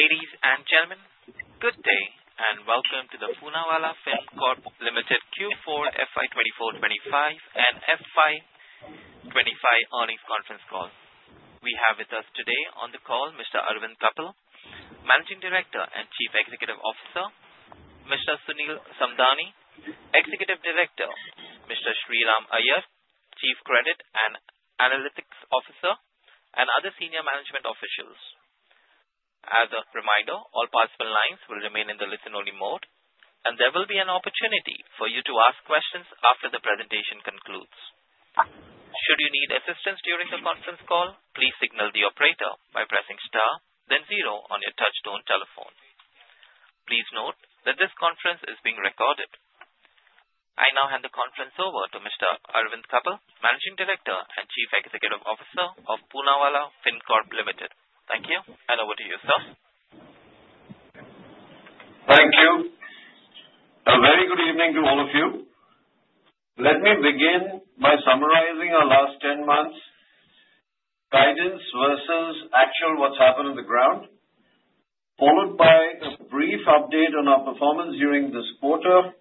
Ladies and gentlemen, good day and welcome to the Poonawalla Fincorp Limited Q4 FY 24-25 and FY 25 earnings conference call. We have with us today on the call Mr. Arvind Kapil, Managing Director and Chief Executive Officer. Mr. Sunil Samdani, Executive Director. Mr. Shriram Iyer, Chief Credit and Analytics Officer. And other senior management officials. As a reminder, all possible lines will remain in the listen-only mode, and there will be an opportunity for you to ask questions after the presentation concludes. Should you need assistance during the conference call, please signal the operator by pressing star, then zero on your touch-tone telephone. Please note that this conference is being recorded. I now hand the conference over to Mr. Arvind Kapil, Managing Director and Chief Executive Officer of Poonawalla Fincorp Limited. Thank you, and over to yourself. Thank you. A very good evening to all of you. Let me begin by summarizing our last 10 months: guidance versus actual what's happened on the ground, followed by a brief update on our performance during this quarter,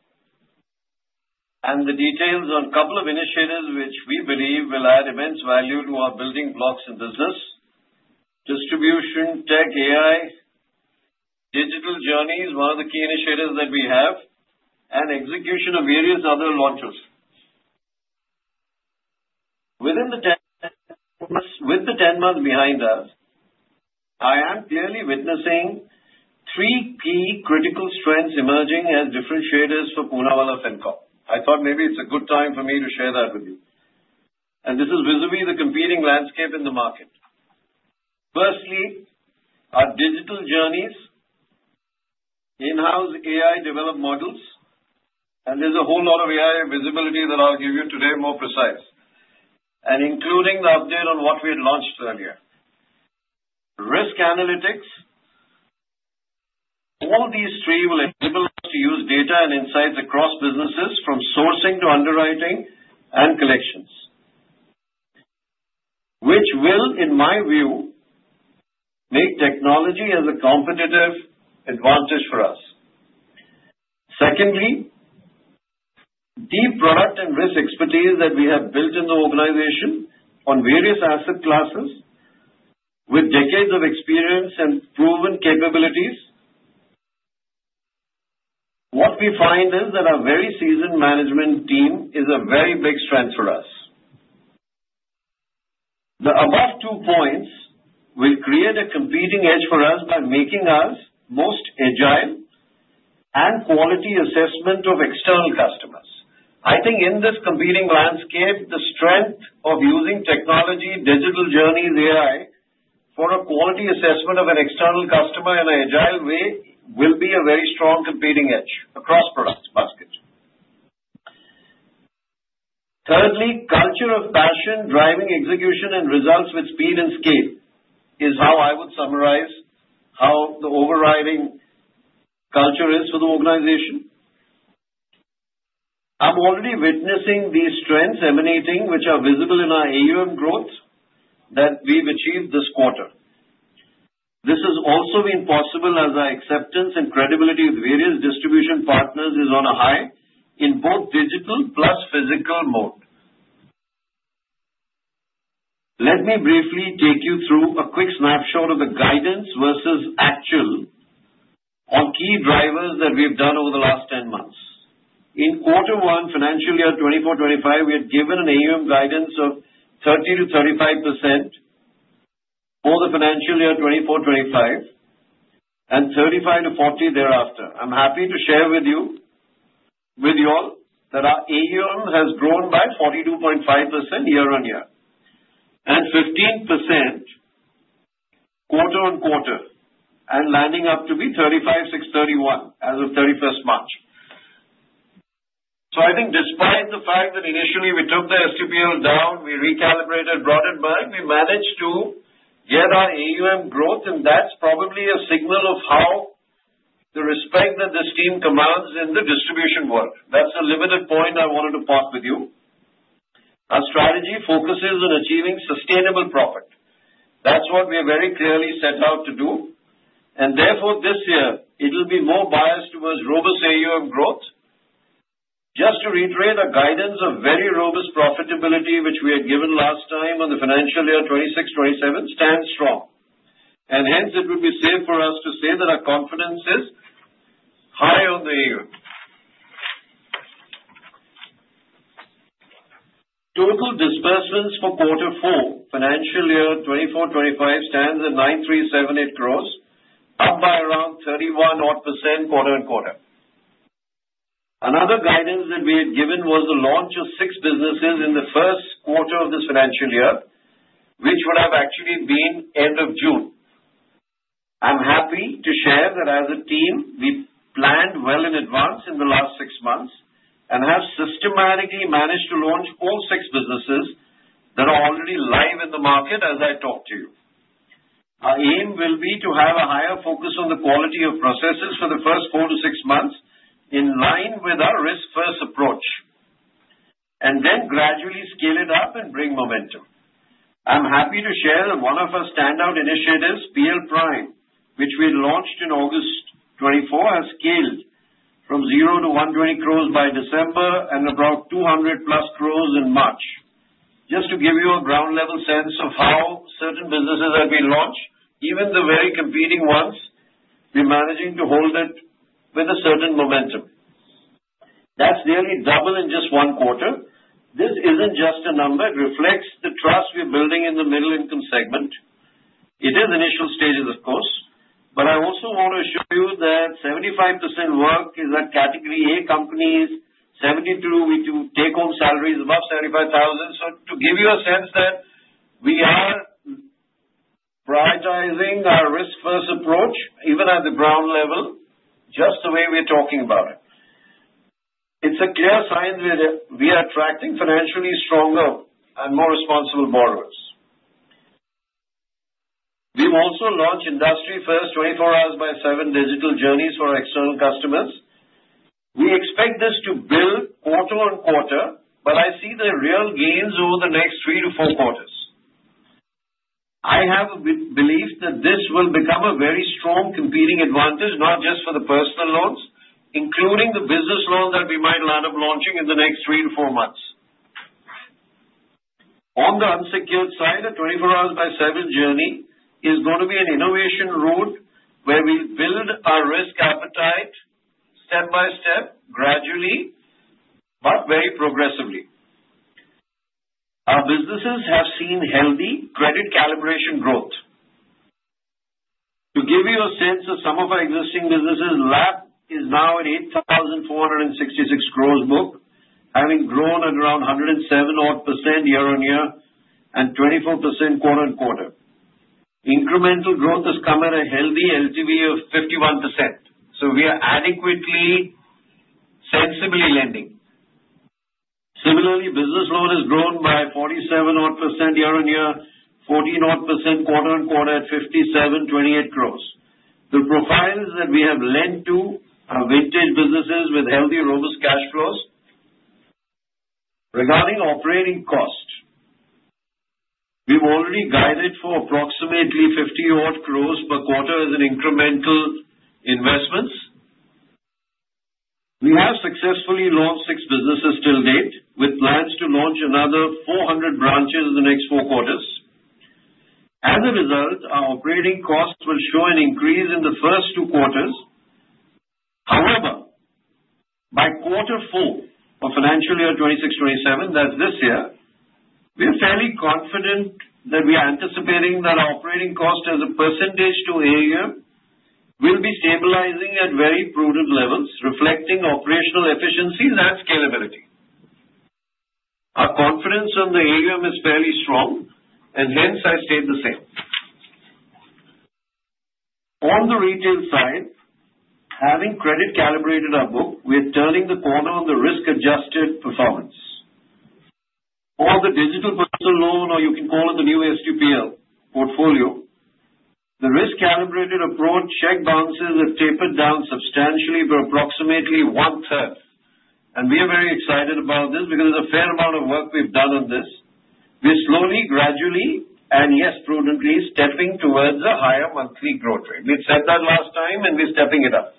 and the details on a couple of initiatives which we believe will add immense value to our building blocks in business: distribution, tech, AI, digital journeys, one of the key initiatives that we have, and execution of various other launches. Within the 10 months behind us, I am clearly witnessing three key critical strengths emerging as differentiators for Poonawalla Fincorp. I thought maybe it's a good time for me to share that with you, and this is vis-à-vis the competing landscape in the market. Firstly, our digital journeys, in-house AI-developed models, and there's a whole lot of AI visibility that I'll give you today, more precisely, including the update on what we had launched earlier. Risk analytics. All these three will enable us to use data and insights across businesses from sourcing to underwriting and collections, which will, in my view, make technology a competitive advantage for us. Secondly, deep product and risk expertise that we have built in the organization on various asset classes with decades of experience and proven capabilities. What we find is that our very seasoned Management Team is a very big strength for us. The above two points will create a competitive edge for us by making us most agile and quality assessment of external customers. I think in this competing landscape, the strength of using technology, digital journeys, AI for a quality assessment of an external customer in an agile way will be a very strong competing edge across product basket. Thirdly, culture of passion driving execution and results with speed and scale is how I would summarize how the overriding culture is for the organization. I'm already witnessing these strengths emanating, which are visible in our AUM growth that we've achieved this quarter. This has also been possible as our acceptance and credibility with various distribution partners is on a high in both digital plus physical mode. Let me briefly take you through a quick snapshot of the guidance versus actual on key drivers that we've done over the last 10 months. In quarter one, financial year 2024-25, we had given an AUM guidance of 30%-35% for the financial year 2024-25 and 35%-40% thereafter. I'm happy to share with you that our AUM has grown by 42.5% year on year and 15% quarter on quarter, and landing up to be 35.631 as of 31st March. So I think despite the fact that initially we took the STPL down, we recalibrated, brought it back, we managed to get our AUM growth, and that's probably a signal of how the respect that this team commands in the distribution world. That's the limited point I wanted to park with you. Our strategy focuses on achieving sustainable profit. That's what we have very clearly set out to do, and therefore this year it'll be more biased towards robust AUM growth. Just to reiterate, our guidance of very robust profitability, which we had given last time on the financial year 2026-27, stands strong, and hence it would be safe for us to say that our confidence is high on the AUM. Total disbursements for quarter four, financial year 2024-25, stands at 9,378 gross, up by around 31-odd% quarter on quarter. Another guidance that we had given was the launch of six businesses in the first quarter of this financial year, which would have actually been end of June. I'm happy to share that as a team we planned well in advance in the last six months and have systematically managed to launch all six businesses that are already live in the market as I talk to you. Our aim will be to have a higher focus on the quality of processes for the first four to six months in line with our risk-first approach, and then gradually scale it up and bring momentum. I'm happy to share that one of our standout initiatives, PL Prime, which we launched in August 2024, has scaled from 0 to 120 gross by December and about 200-plus gross in March. Just to give you a ground-level sense of how certain businesses that we launched, even the very competing ones, we're managing to hold it with a certain momentum. That's nearly double in just one quarter. This isn't just a number. It reflects the trust we're building in the middle-income segment. It is initial stages, of course, but I also want to assure you that 75% work is at category A companies, 72 we do take-home salaries above 75,000. So to give you a sense that we are prioritizing our risk-first approach even at the ground level, just the way we're talking about it. It's a clear sign that we are attracting financially stronger and more responsible borrowers. We've also launched industry-first 24/7 digital journeys for our external customers. We expect this to build quarter on quarter, but I see the real gains over the next three to four quarters. I have a belief that this will become a very strong competitive advantage, not just for the personal loans, including the business loans that we might land up launching in the next three to four months. On the unsecured side, a 24/7 journey is going to be an innovation route where we build our risk appetite step by step, gradually, but very progressively. Our businesses have seen healthy credit calibration growth. To give you a sense of some of our existing businesses, LAP is now at 8,466 gross book, having grown at around 107-odd% year on year and 24% quarter on quarter. Incremental growth has come at a healthy LTV of 51%, so we are adequately, sensibly lending. Similarly, business loan has grown by 47-odd% year on year, 14-odd% quarter on quarter at 57.28 gross. The profiles that we have lent to are vintage businesses with healthy robust cash flows. Regarding operating cost, we've already guided for approximately 50-odd gross per quarter as an incremental investment. We have successfully launched six businesses till date, with plans to launch another 400 branches in the next four quarters. As a result, our operating costs will show an increase in the first two quarters. However, by quarter four of financial year 2026-27, that's this year, we're fairly confident that we are anticipating that our operating cost as a percentage to AUM will be stabilizing at very prudent levels, reflecting operational efficiencies and scalability. Our confidence on the AUM is fairly strong, and hence I state the same. On the retail side, having credit calibrated our book, we are turning the corner on the risk-adjusted performance. For the digital personal loan, or you can call it the new STPL portfolio, the risk-calibrated approach check balances have tapered down substantially by approximately one-third, and we are very excited about this because there's a fair amount of work we've done on this. We're slowly, gradually, and yes, prudently, stepping towards a higher monthly growth rate. We had said that last time, and we're stepping it up.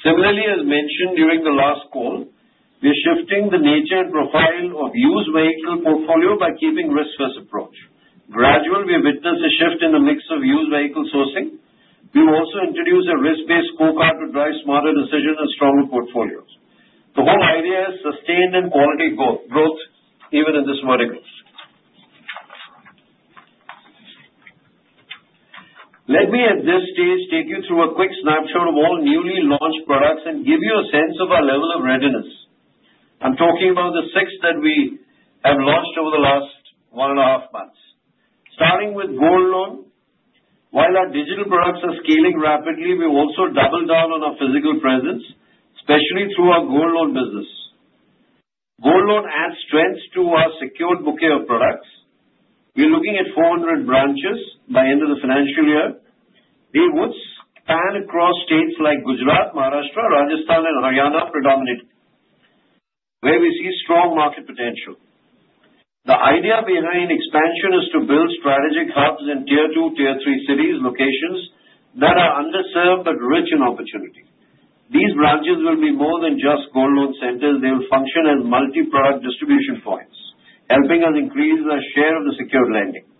Similarly, as mentioned during the last call, we're shifting the nature and profile of used vehicle portfolio by keeping risk-first approach. Gradually, we witness a shift in the mix of used vehicle sourcing. We'll also introduce a risk-based scorecard to drive smarter decisions and stronger portfolios. The whole idea is sustained and quality growth, even in this very growth. Let me, at this stage, take you through a quick snapshot of all newly launched products and give you a sense of our level of readiness. I'm talking about the six that we have launched over the last one and a half months. Starting with gold loan, while our digital products are scaling rapidly, we've also doubled down on our physical presence, especially through our gold loan business. Gold Loan adds strength to our secured bouquet of products. We're looking at 400 branches by the end of the financial year. We would span across states like Gujarat, Maharashtra, Rajasthan, and Haryana predominantly, where we see strong market potential. The idea behind expansion is to build strategic hubs in tier-two, tier-three cities, locations that are underserved but rich in opportunity. These branches will be more than just gold loan centers. They will function as multi-product distribution points, helping us increase our share of the secured lending.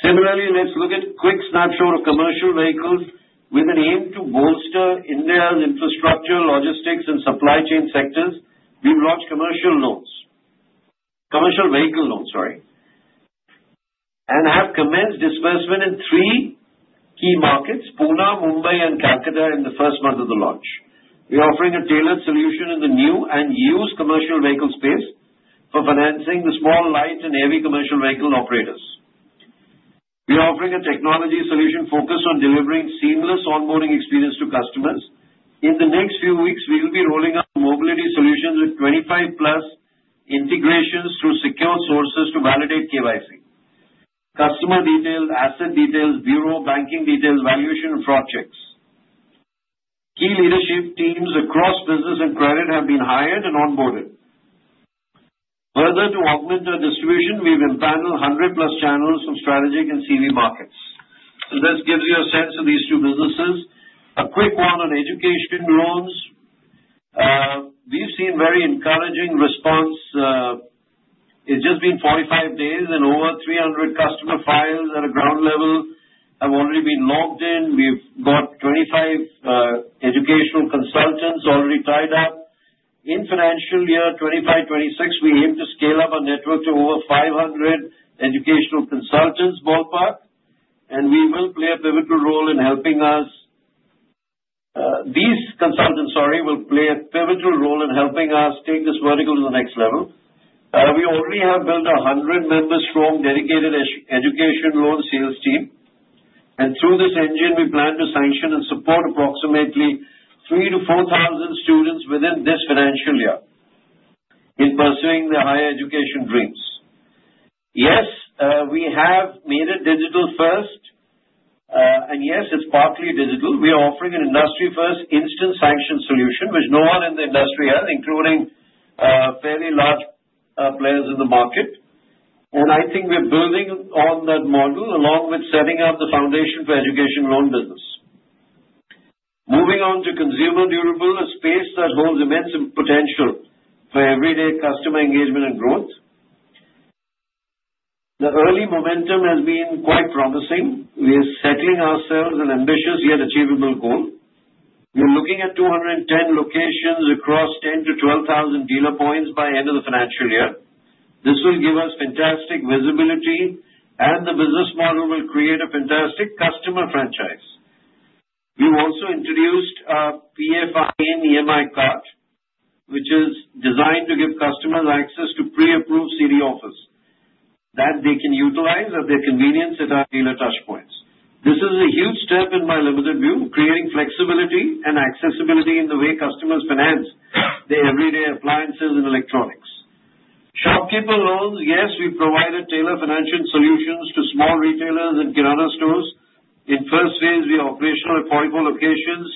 Similarly, let's look at a quick snapshot of commercial vehicles. With an aim to bolster India's infrastructure, logistics, and supply chain sectors, we've launched commercial loans - Commercial Vehicle Loans, sorry - and have commenced disbursement in three key markets: Pune, Mumbai, and Kolkata in the first month of the launch. We're offering a tailored solution in the new and used commercial vehicle space for financing the small, light, and heavy commercial vehicle operators. We're offering a technology solution focused on delivering seamless onboarding experience to customers. In the next few weeks, we'll be rolling out mobility solutions with 25-plus integrations through secure sources to validate KYC: customer details, asset details, bureau banking details, valuation, and fraud checks. Key leadership teams across business and credit have been hired and onboarded. Further, to augment our distribution, we've enabled 100-plus channels from strategic and CV markets. So this gives you a sense of these two businesses. A quick one on education loans: we've seen very encouraging response. It's just been 45 days, and over 300 customer files at a ground level have already been logged in. We've got 25 educational consultants already tied up. In financial year 2025-2026, we aim to scale up our network to over 500 educational consultants ballpark, and we will play a pivotal role in helping us - these consultants, sorry - will play a pivotal role in helping us take this vertical to the next level. We already have built a 100-member strong dedicated education loan sales team, and through this engine, we plan to sanction and support approximately 3,000-4,000 students within this financial year in pursuing their higher education dreams. Yes, we have made it digital-first, and yes, it's partly digital. We are offering an industry-first instant sanction solution, which no one in the industry has, including fairly large players in the market, and I think we're building on that model along with setting up the foundation for education loan business. Moving on to consumer durability, a space that holds immense potential for everyday customer engagement and growth. The early momentum has been quite promising. We are setting ourselves an ambitious yet achievable goal. We're looking at 210 locations across 10-12,000 dealer points by the end of the financial year. This will give us fantastic visibility, and the business model will create a fantastic customer franchise. We've also introduced a PFIN EMI Card, which is designed to give customers access to pre-approved CD offers that they can utilize at their convenience at our dealer touchpoints. This is a huge step in my limited view, creating flexibility and accessibility in the way customers finance their everyday appliances and electronics. Shopkeeper loans, yes, we've provided tailored financial solutions to small retailers and Kirana stores. In first phase, we are operational at 44 locations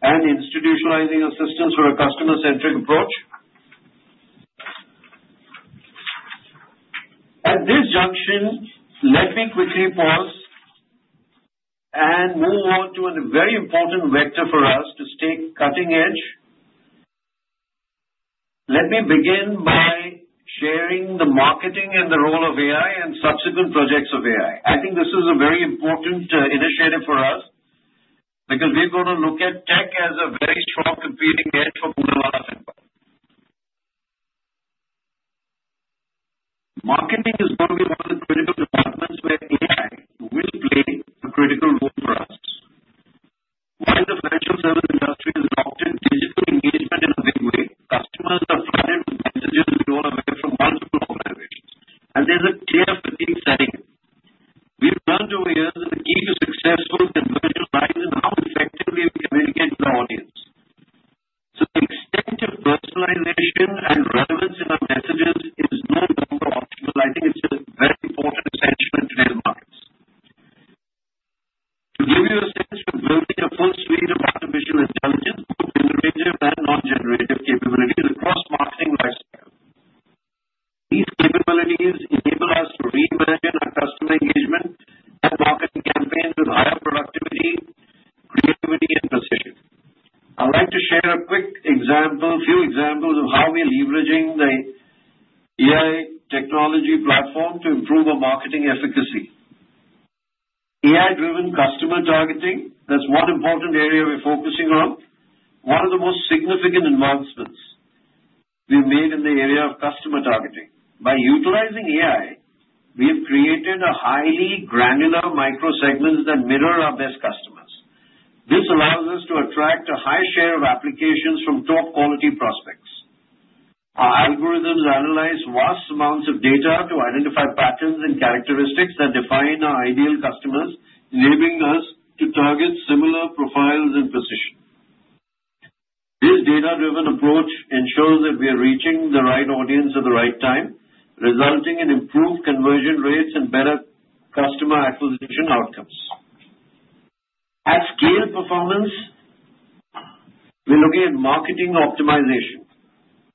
and institutionalizing assistance for a customer-centric approach. At this junction, let me quickly pause and move on to a very important vector for us to stay cutting edge. Let me begin by sharing the marketing and the role of AI and subsequent projects of AI. I think this is a very important initiative for us because we're going to look at tech as a very strong competitive edge for Poonawalla Fincorp. Marketing is going to be one of the critical departments where AI will play a critical role for us. While the financial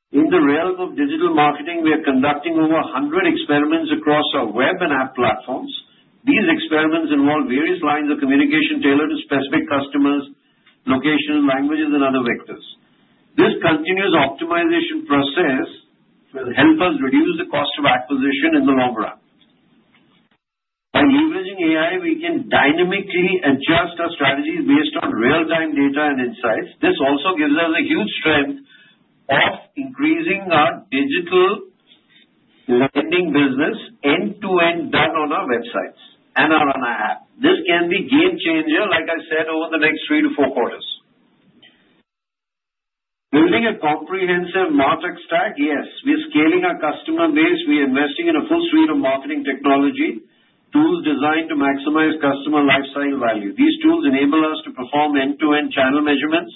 In the realm of digital marketing, we are conducting over 100 experiments across our web and app platforms. These experiments involve various lines of communication tailored to specific customers, locations, languages, and other vectors. This continuous optimization process will help us reduce the cost of acquisition in the long run. By leveraging AI, we can dynamically adjust our strategies based on real-time data and insights. This also gives us a huge strength of increasing our digital lending business end-to-end done on our websites and on our app. This can be a game changer, like I said, over the next three to four quarters. Building a comprehensive martech stack, yes, we're scaling our customer base. We're investing in a full suite of marketing technology tools designed to maximize customer lifecycle value. These tools enable us to perform end-to-end channel measurements,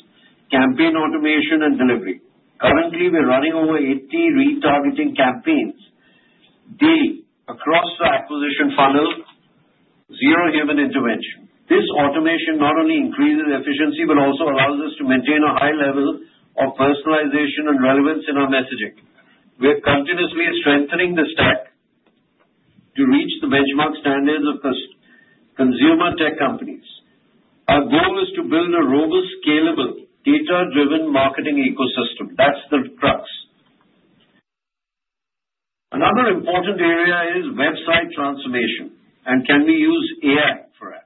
campaign automation, and delivery. Currently, we're running over 80 retargeting campaigns daily across our acquisition funnel, zero human intervention. This automation not only increases efficiency but also allows us to maintain a high level of personalization and relevance in our messaging. We're continuously strengthening the stack to reach the benchmark standards of consumer tech companies. Our goal is to build a robust, scalable, data-driven marketing ecosystem. That's the crux. Another important area is website transformation, and AI can be used for that.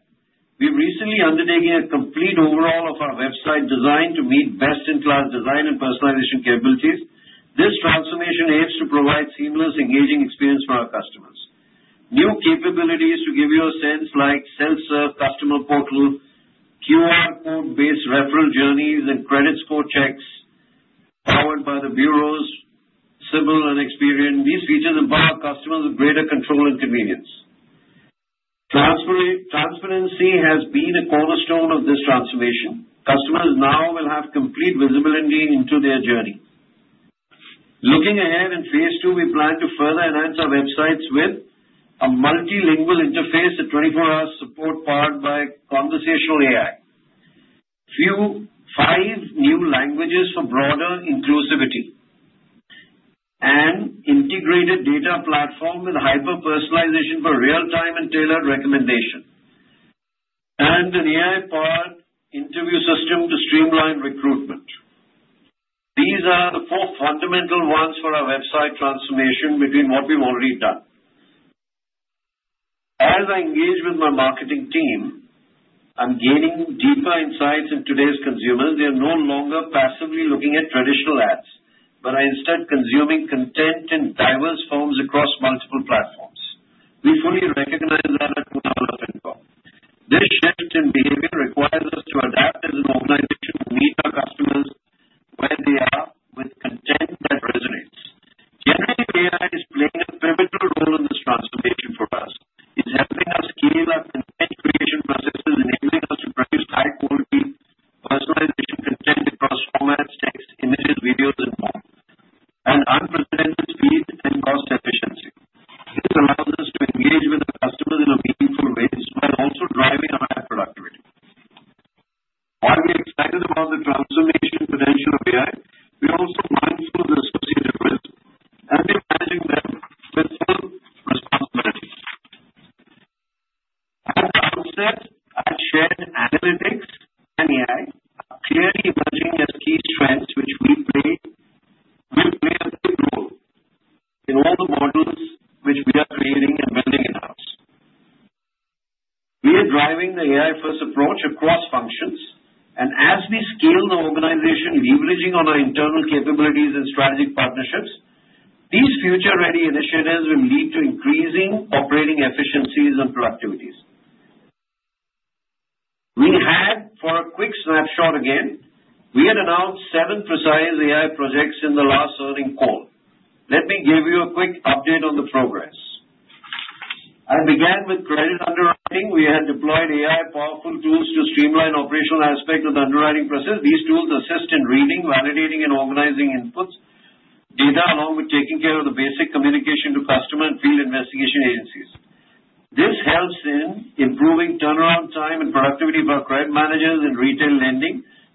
We've recently undertaken a complete overhaul of our website design to meet best-in-class design and personalization capabilities. This transformation aims to provide a seamless, engaging experience for our customers. New capabilities to give you a sense like self-serve customer portal, QR code-based referral journeys, and credit score checks powered by the bureaus CIBIL and Experian. These features empower customers with greater control and convenience. Transparency has been a cornerstone of this transformation. Customers now will have complete visibility into their journey. Looking ahead in phase two, we plan to further enhance our websites with a multilingual interface, a 24-hour support powered by conversational AI, five new languages for broader inclusivity, an integrated data platform with hyper-personalization for real-time and tailored recommendation, and an AI-powered interview system to streamline recruitment. These are the four fundamental ones for our website transformation between what we've already done. As I engage with my marketing team, I'm gaining deeper insights in today's consumers. They are no longer passively looking at traditional ads, but are instead consuming content in diverse forms across multiple platforms. We fully recognize that at Poonawalla Fincorp. This shift in behavior requires us to adapt as an organization to meet our customers where they are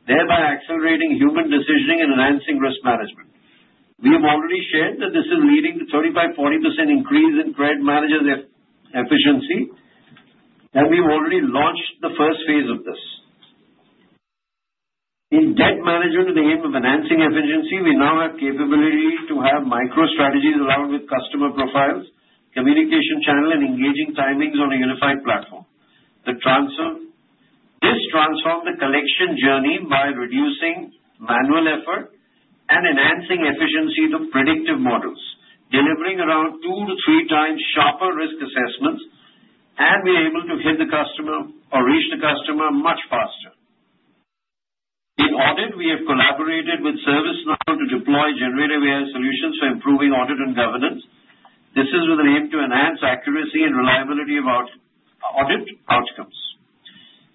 thereby accelerating human decisioning and enhancing risk management. We have already shared that this is leading to a 35-40% increase in credit managers' efficiency, and we've already launched the first phase of this. In debt management, in the aim of enhancing efficiency, we now have the capability to have micro-strategies along with customer profiles, communication channels, and engaging timings on a unified platform. This transformed the collection journey by reducing manual effort and enhancing efficiency to predictive models, delivering around two to three times sharper risk assessments, and we're able to hit the customer or reach the customer much faster. In audit, we have collaborated with ServiceNow to deploy generative AI solutions for improving audit and governance. This is with an aim to enhance accuracy and reliability of our audit outcomes.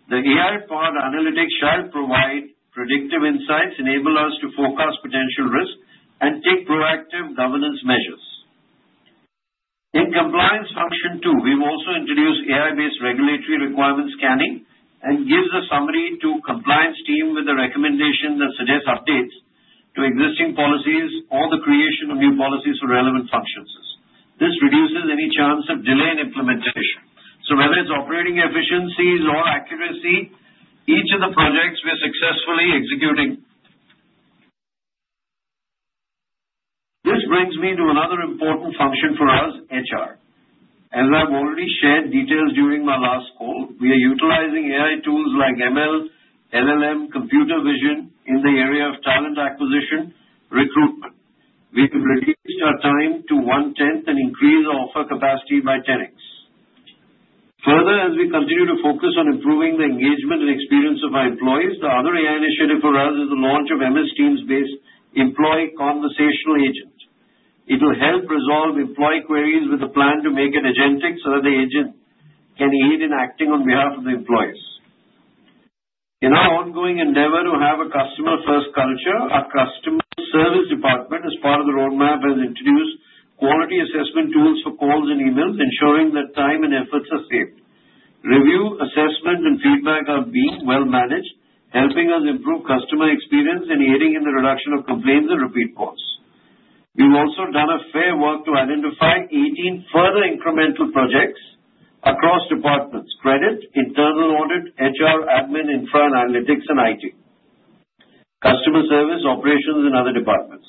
The AI-powered analytics shall provide predictive insights, enable us to forecast potential risks, and take proactive governance measures. In the compliance function too, we've also introduced AI-based regulatory requirement scanning and give the summary to the compliance team with a recommendation that suggests updates to existing policies or the creation of new policies for relevant functions. This reduces any chance of delay in implementation. So whether it's operating efficiencies or accuracy, each of the projects we're successfully executing. This brings me to another important function for us, HR. As I've already shared details during my last call, we are utilizing AI tools like ML, LLM, computer vision in the area of talent acquisition recruitment. We have reduced our time to one-tenth and increased our offer capacity by 10x. Further, as we continue to focus on improving the engagement and experience of our employees, the other AI initiative for us is the launch of MS Teams-based employee conversational agents. It will help resolve employee queries with a plan to make it agentic so that the agent can aid in acting on behalf of the employees. In our ongoing endeavor to have a customer-first culture, our customer service department, as part of the roadmap, has introduced quality assessment tools for calls and emails, ensuring that time and efforts are saved. Review, assessment, and feedback are being well-managed, helping us improve customer experience and aiding in the reduction of complaints and repeat calls. We've also done a fair work to identify 18 further incremental projects across departments: credit, internal audit, HR, admin, infra, analytics, and IT, customer service, operations, and other departments.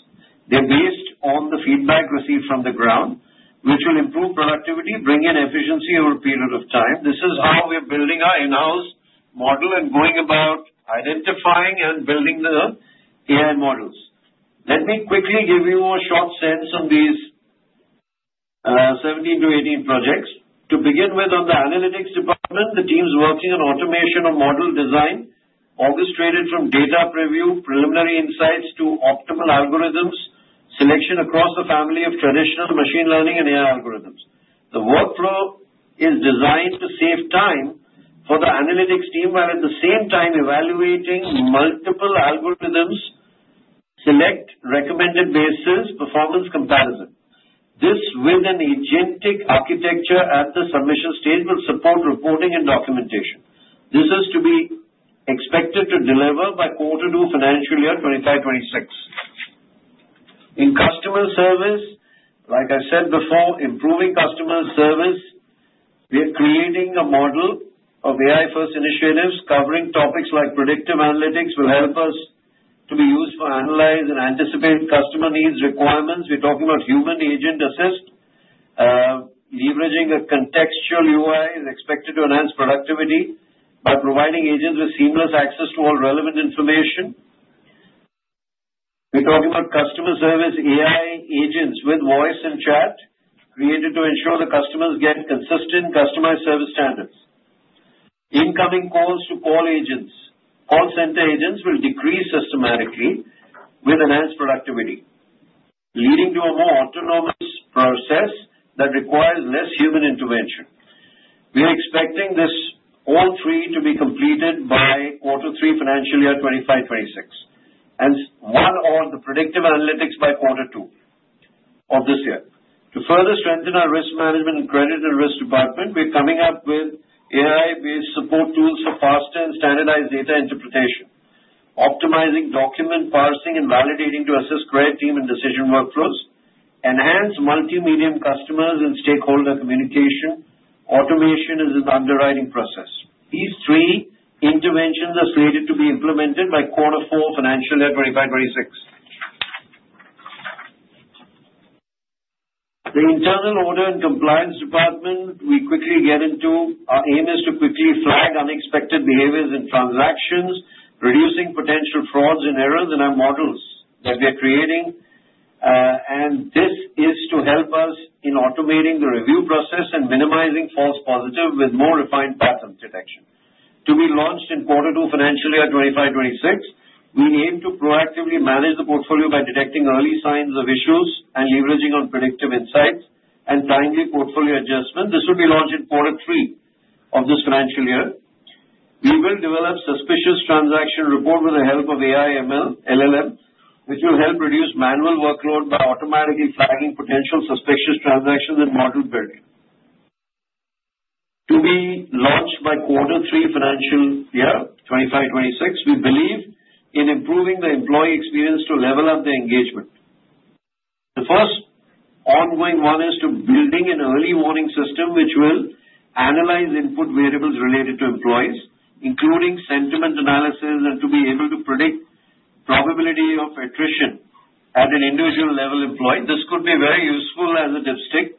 They're based on the feedback received from the ground, which will improve productivity, bring in efficiency over a period of time. This is how we're building our in-house model and going about identifying and building the AI models. Let me quickly give you a short sense on these 17-18 projects. To begin with, on the analytics department, the team's working on automation of model design, orchestrated from data preview, preliminary insights to optimal algorithms, selection across the family of traditional machine learning and AI algorithms. The workflow is designed to save time for the analytics team while at the same time evaluating multiple algorithms, select recommended basis, performance comparison. This, with an agentic architecture at the submission stage, will support reporting and documentation. This is to be expected to deliver by Q2 FY26. In customer service, like I said before, improving customer service. We are creating a model of AI-first initiatives covering topics like predictive analytics will help us to be used to analyze and anticipate customer needs, requirements. We're talking about human-agent assist. Leveraging a contextual UI is expected to enhance productivity by providing agents with seamless access to all relevant information. We're talking about customer service AI agents with voice and chat created to ensure the customers get consistent customer service standards. Incoming calls to call agents, call center agents will decrease systematically with enhanced productivity, leading to a more autonomous process that requires less human intervention. We're expecting all three to be completed by quarter three financial year 2026, and one or the predictive analytics by quarter two of this year. To further strengthen our risk management and credit and risk department, we're coming up with AI-based support tools for faster and standardized data interpretation, optimizing document parsing and validating to assist credit team and decision workflows, enhanced multi-medium customers and stakeholder communication, automation as an underwriting process. These three interventions are slated to be implemented by quarter four financial year FY26. The internal audit and compliance department, we quickly get into. Our aim is to quickly flag unexpected behaviors and transactions, reducing potential frauds and errors in our models that we are creating, and this is to help us in automating the review process and minimizing false positives with more refined pattern detection. To be launched in quarter two financial year FY26, we aim to proactively manage the portfolio by detecting early signs of issues and leveraging on predictive insights and timely portfolio adjustments. This will be launched in quarter three of this financial year. We will develop suspicious transaction report with the help of AI, ML, LLM, which will help reduce manual workload by automatically flagging potential suspicious transactions and model building. To be launched by quarter three financial year 2026, we believe in improving the employee experience to level up the engagement. The first ongoing one is to build an early warning system, which will analyze input variables related to employees, including sentiment analysis, and to be able to predict the probability of attrition at an individual level employee. This could be very useful as a dipstick.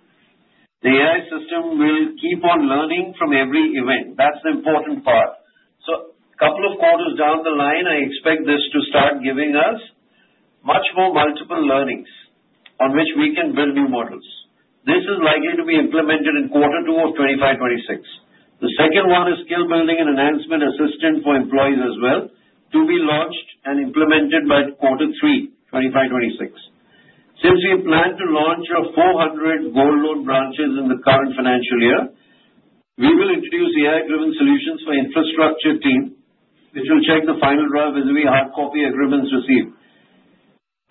The AI system will keep on learning from every event. That's the important part. So a couple of quarters down the line, I expect this to start giving us much more multiple learnings on which we can build new models. This is likely to be implemented in quarter two of 2026. The second one is skill-building and enhancement assistance for employees as well. To be launched and implemented by quarter three 2026. Since we plan to launch 400 gold loan branches in the current financial year, we will introduce AI-driven solutions for infrastructure teams, which will check the final draft of the hard-copy agreements received,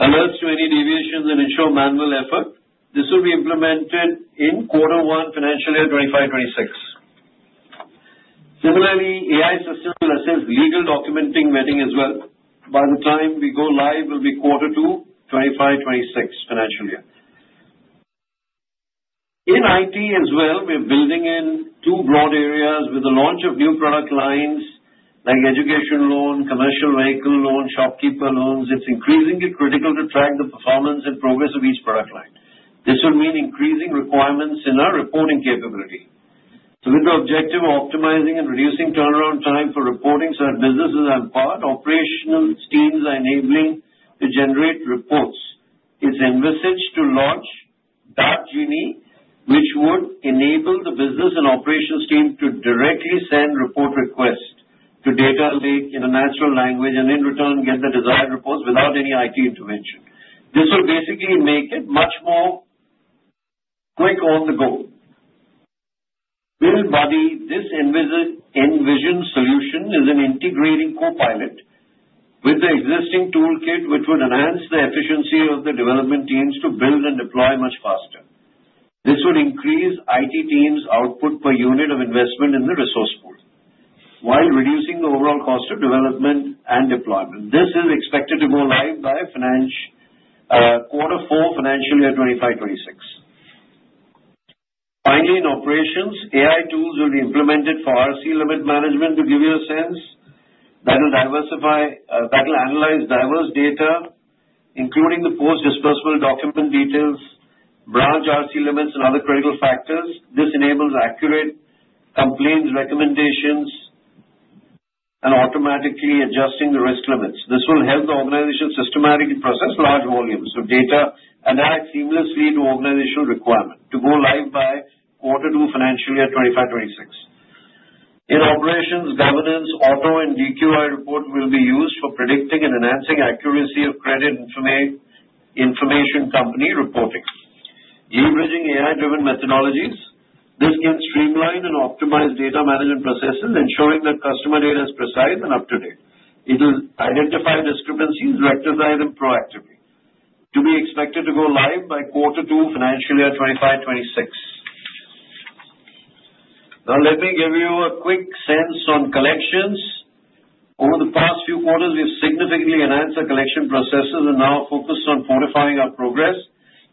alert to any deviations, and reduce manual effort. This will be implemented in quarter one financial year 2026. Similarly, the AI system will assist legal documentation vetting as well. By the time we go live, it will be quarter two 2026 financial year. In IT as well, we're building in two broad areas with the launch of new product lines like education loans, commercial vehicle loans, and shopkeeper loans. It's increasingly critical to track the performance and progress of each product line. This will mean increasing requirements in our reporting capability. With the objective of optimizing and reducing turnaround time for reporting so that businesses are empowered, operational teams are enabled to generate reports. It's envisaged to launch DART Genie, which would enable the business and operations team to directly send report requests to data lake in a natural language and, in return, get the desired reports without any IT intervention. This will basically make it much more quick on the go. This envisioned solution is an integrating copilot with the existing toolkit, which would enhance the efficiency of the development teams to build and deploy much faster. This would increase IT teams' output per unit of investment in the resource pool while reducing the overall cost of development and deployment. This is expected to go live by quarter four financial year 2026. Finally, in operations, AI tools will be implemented for RC limit management. To give you a sense, that will analyze diverse data, including the post-disbursal document details, branch RC limits, and other critical factors. This enables accurate complaints recommendations and automatically adjusting the risk limits. This will help the organization systematically process large volumes of data and add seamlessly to organizational requirement to go live by quarter two financial year 2026. In operations, governance, auto, and DQI reports will be used for predicting and enhancing accuracy of credit information company reporting. Leveraging AI-driven methodologies, this can streamline and optimize data management processes, ensuring that customer data is precise and up-to-date. It will identify discrepancies, rectify them, and proactively. To be expected to go live by quarter two financial year 2026. Now, let me give you a quick sense on collections. Over the past few quarters, we have significantly enhanced our collection processes and now are focused on fortifying our progress.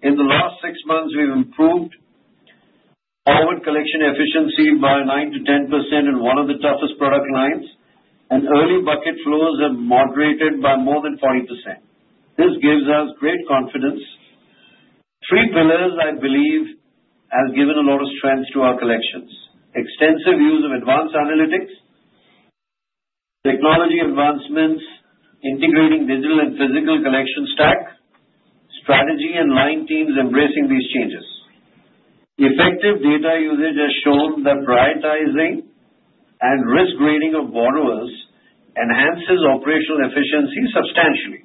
In the last six months, we've improved forward collection efficiency by 9%-10% in one of the toughest product lines, and early bucket flows have moderated by more than 40%. This gives us great confidence. Three pillars, I believe, have given a lot of strength to our collections: extensive use of advanced analytics, technology advancements, integrating digital and physical collection stack, strategy, and line teams embracing these changes. Effective data usage has shown that prioritizing and risk-grading of borrowers enhances operational efficiency substantially.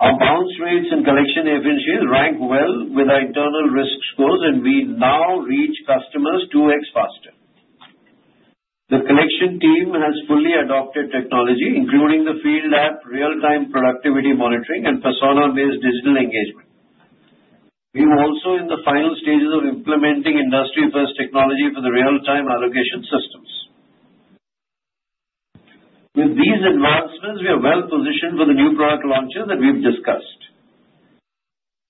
Our bounce rates and collection efficiencies rank well with our internal risk scores, and we now reach customers 2x faster. The collection team has fully adopted technology, including the field app, real-time productivity monitoring, and persona-based digital engagement. We are also in the final stages of implementing industry-first technology for the real-time allocation systems. With these advancements, we are well-positioned for the new product launches that we've discussed.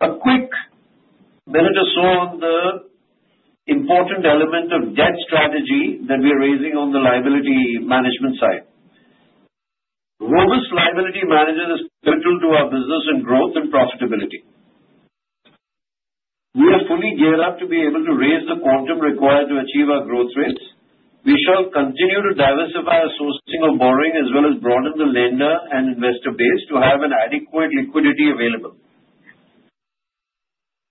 A quick minute or so on the important element of debt strategy that we are raising on the liability management side. Robust liability management is critical to our business and growth and profitability. We are fully geared up to be able to raise the quantum required to achieve our growth rates. We shall continue to diversify our sourcing of borrowing as well as broaden the lender and investor base to have adequate liquidity available.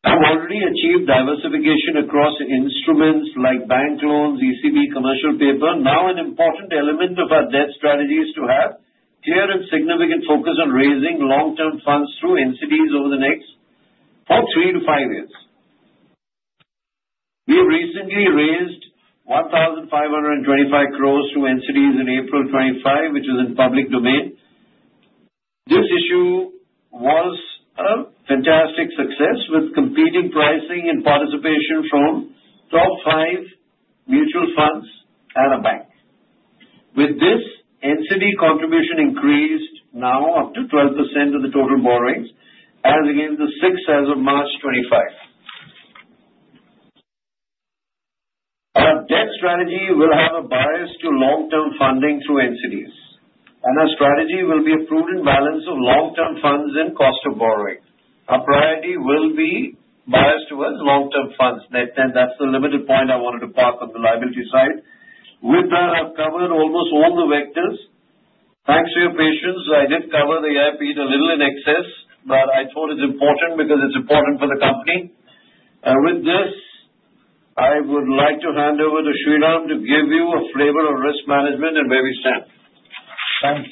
I've already achieved diversification across instruments like bank loans, ECB, and commercial paper. Now, an important element of our debt strategy is to have clear and significant focus on raising long-term funds through NCDs over the next three to five years. We have recently raised 1,525 crores through NCDs in April 2025, which was in the public domain. This issue was a fantastic success with competitive pricing and participation from top five mutual funds and a bank. With this, NCD contribution increased now up to 12% of the total borrowings, as against 6% as of March 2025. Our debt strategy will have a bias to long-term funding through NCDs, and our strategy will be a prudent balance of long-term funds and cost of borrowing. Our priority will be biased towards long-term funds. That's the last point I wanted to park on the liability side. With that, I've covered almost all the vectors. Thanks to your patience, I did cover the AI piece a little in excess, but I thought it's important because it's important for the company. With this, I would like to hand over to Shriram to give you a flavor of risk management and where we stand.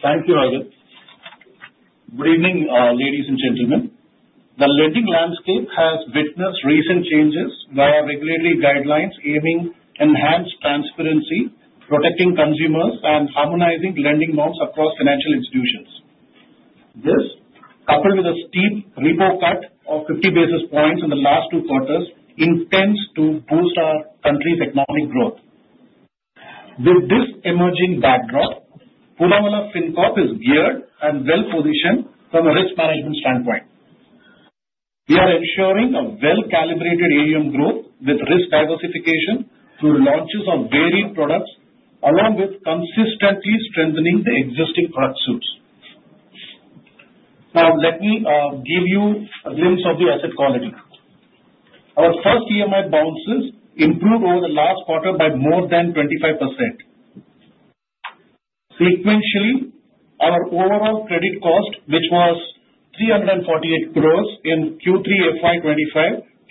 Thank you, Arvind. Good evening, ladies and gentlemen. The lending landscape has witnessed recent changes via regulatory guidelines aiming to enhance transparency, protecting consumers, and harmonizing lending norms across financial institutions. This, coupled with a steep repo cut of 50 basis points in the last two quarters, intends to boost our country's economic growth. With this emerging backdrop, Poonawalla Fincorp is geared and well-positioned from a risk management standpoint. We are ensuring a well-calibrated AUM growth with risk diversification through launches of varied products, along with consistently strengthening the existing product suites. Now, let me give you a glimpse of the asset quality. Our first EMI bounces improved over the last quarter by more than 25%. Sequentially, our overall credit cost, which was 348 crores in Q3 FY25,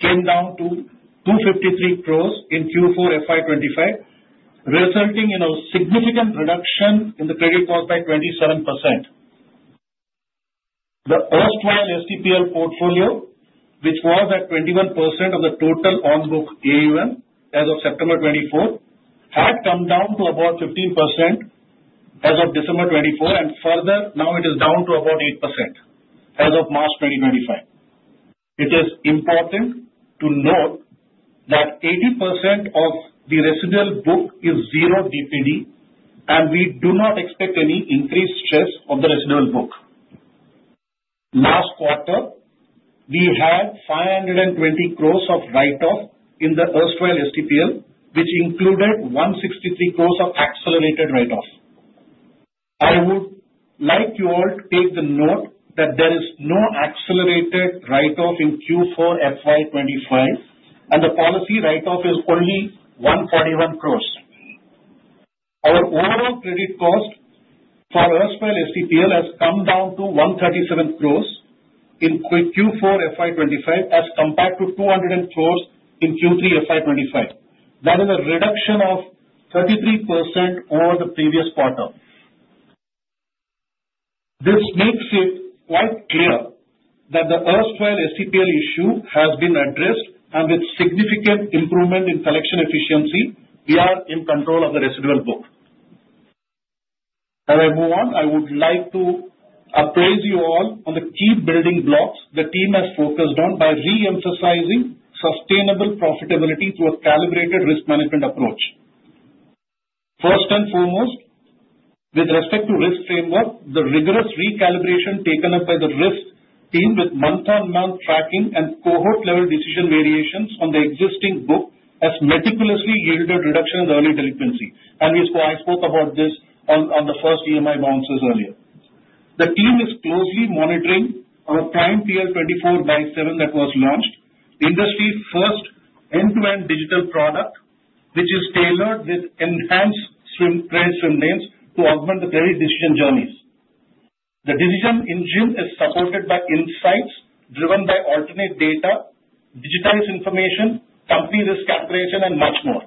came down to 253 crores in Q4 FY25, resulting in a significant reduction in the credit cost by 27%. The erstwhile STPL portfolio, which was at 21% of the total on-book AUM as of September 24, had come down to about 15% as of December 24, and further now it is down to about 8% as of March 2025. It is important to note that 80% of the residual book is zero DPD, and we do not expect any increased stress on the residual book. Last quarter, we had 520 crores of write-off in the erstwhile STPL, which included 163 crores of accelerated write-off. I would like you all to take the note that there is no accelerated write-off in Q4 FY25, and the policy write-off is only 141 crores. Our overall credit cost for erstwhile STPL has come down to 137 crores in Q4 FY25 as compared to 200 crores in Q3 FY25. That is a reduction of 33% over the previous quarter. This makes it quite clear that the erstwhile STPL issue has been addressed, and with significant improvement in collection efficiency, we are in control of the residual book. As I move on, I would like to apprise you all on the key building blocks the team has focused on by re-emphasizing sustainable profitability through a calibrated risk management approach. First and foremost, with respect to risk framework, the rigorous recalibration taken up by the risk team with month-on-month tracking and cohort-level decision variations on the existing book has meticulously yielded reduction in the early delinquency, and I spoke about this on the first EMI bounces earlier. The team is closely monitoring our Prime PL24x7 that was launched, industry-first end-to-end digital product, which is tailored with enhanced underwriting norms to augment the credit decision journeys. The decision engine is supported by insights driven by alternate data, digitized information, company risk calculation, and much more.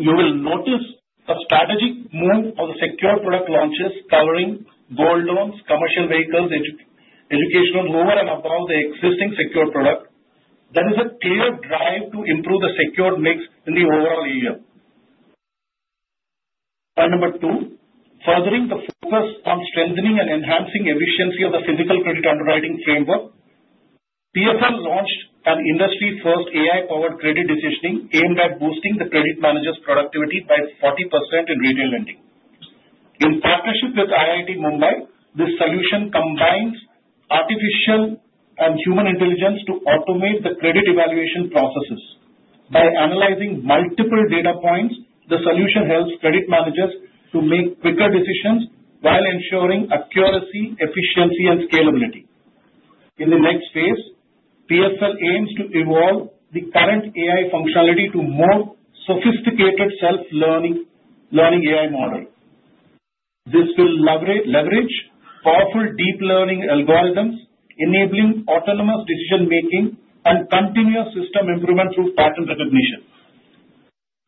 You will notice a strategic move on the secured product launches, covering gold loans, commercial vehicles, educational, lower and above the existing secured product. That is a clear drive to improve the secured mix in the overall year. Point number two, furthering the focus on strengthening and enhancing efficiency of the physical credit underwriting framework, PFL launched an industry-first AI-powered credit decisioning aimed at boosting the credit manager's productivity by 40% in retail lending. In partnership with IIT Bombay, this solution combines artificial and human intelligence to automate the credit evaluation processes. By analyzing multiple data points, the solution helps credit managers to make quicker decisions while ensuring accuracy, efficiency, and scalability. In the next phase, PFL aims to evolve the current AI functionality to more sophisticated self-learning AI model. This will leverage powerful deep learning algorithms, enabling autonomous decision-making and continuous system improvement through pattern recognition.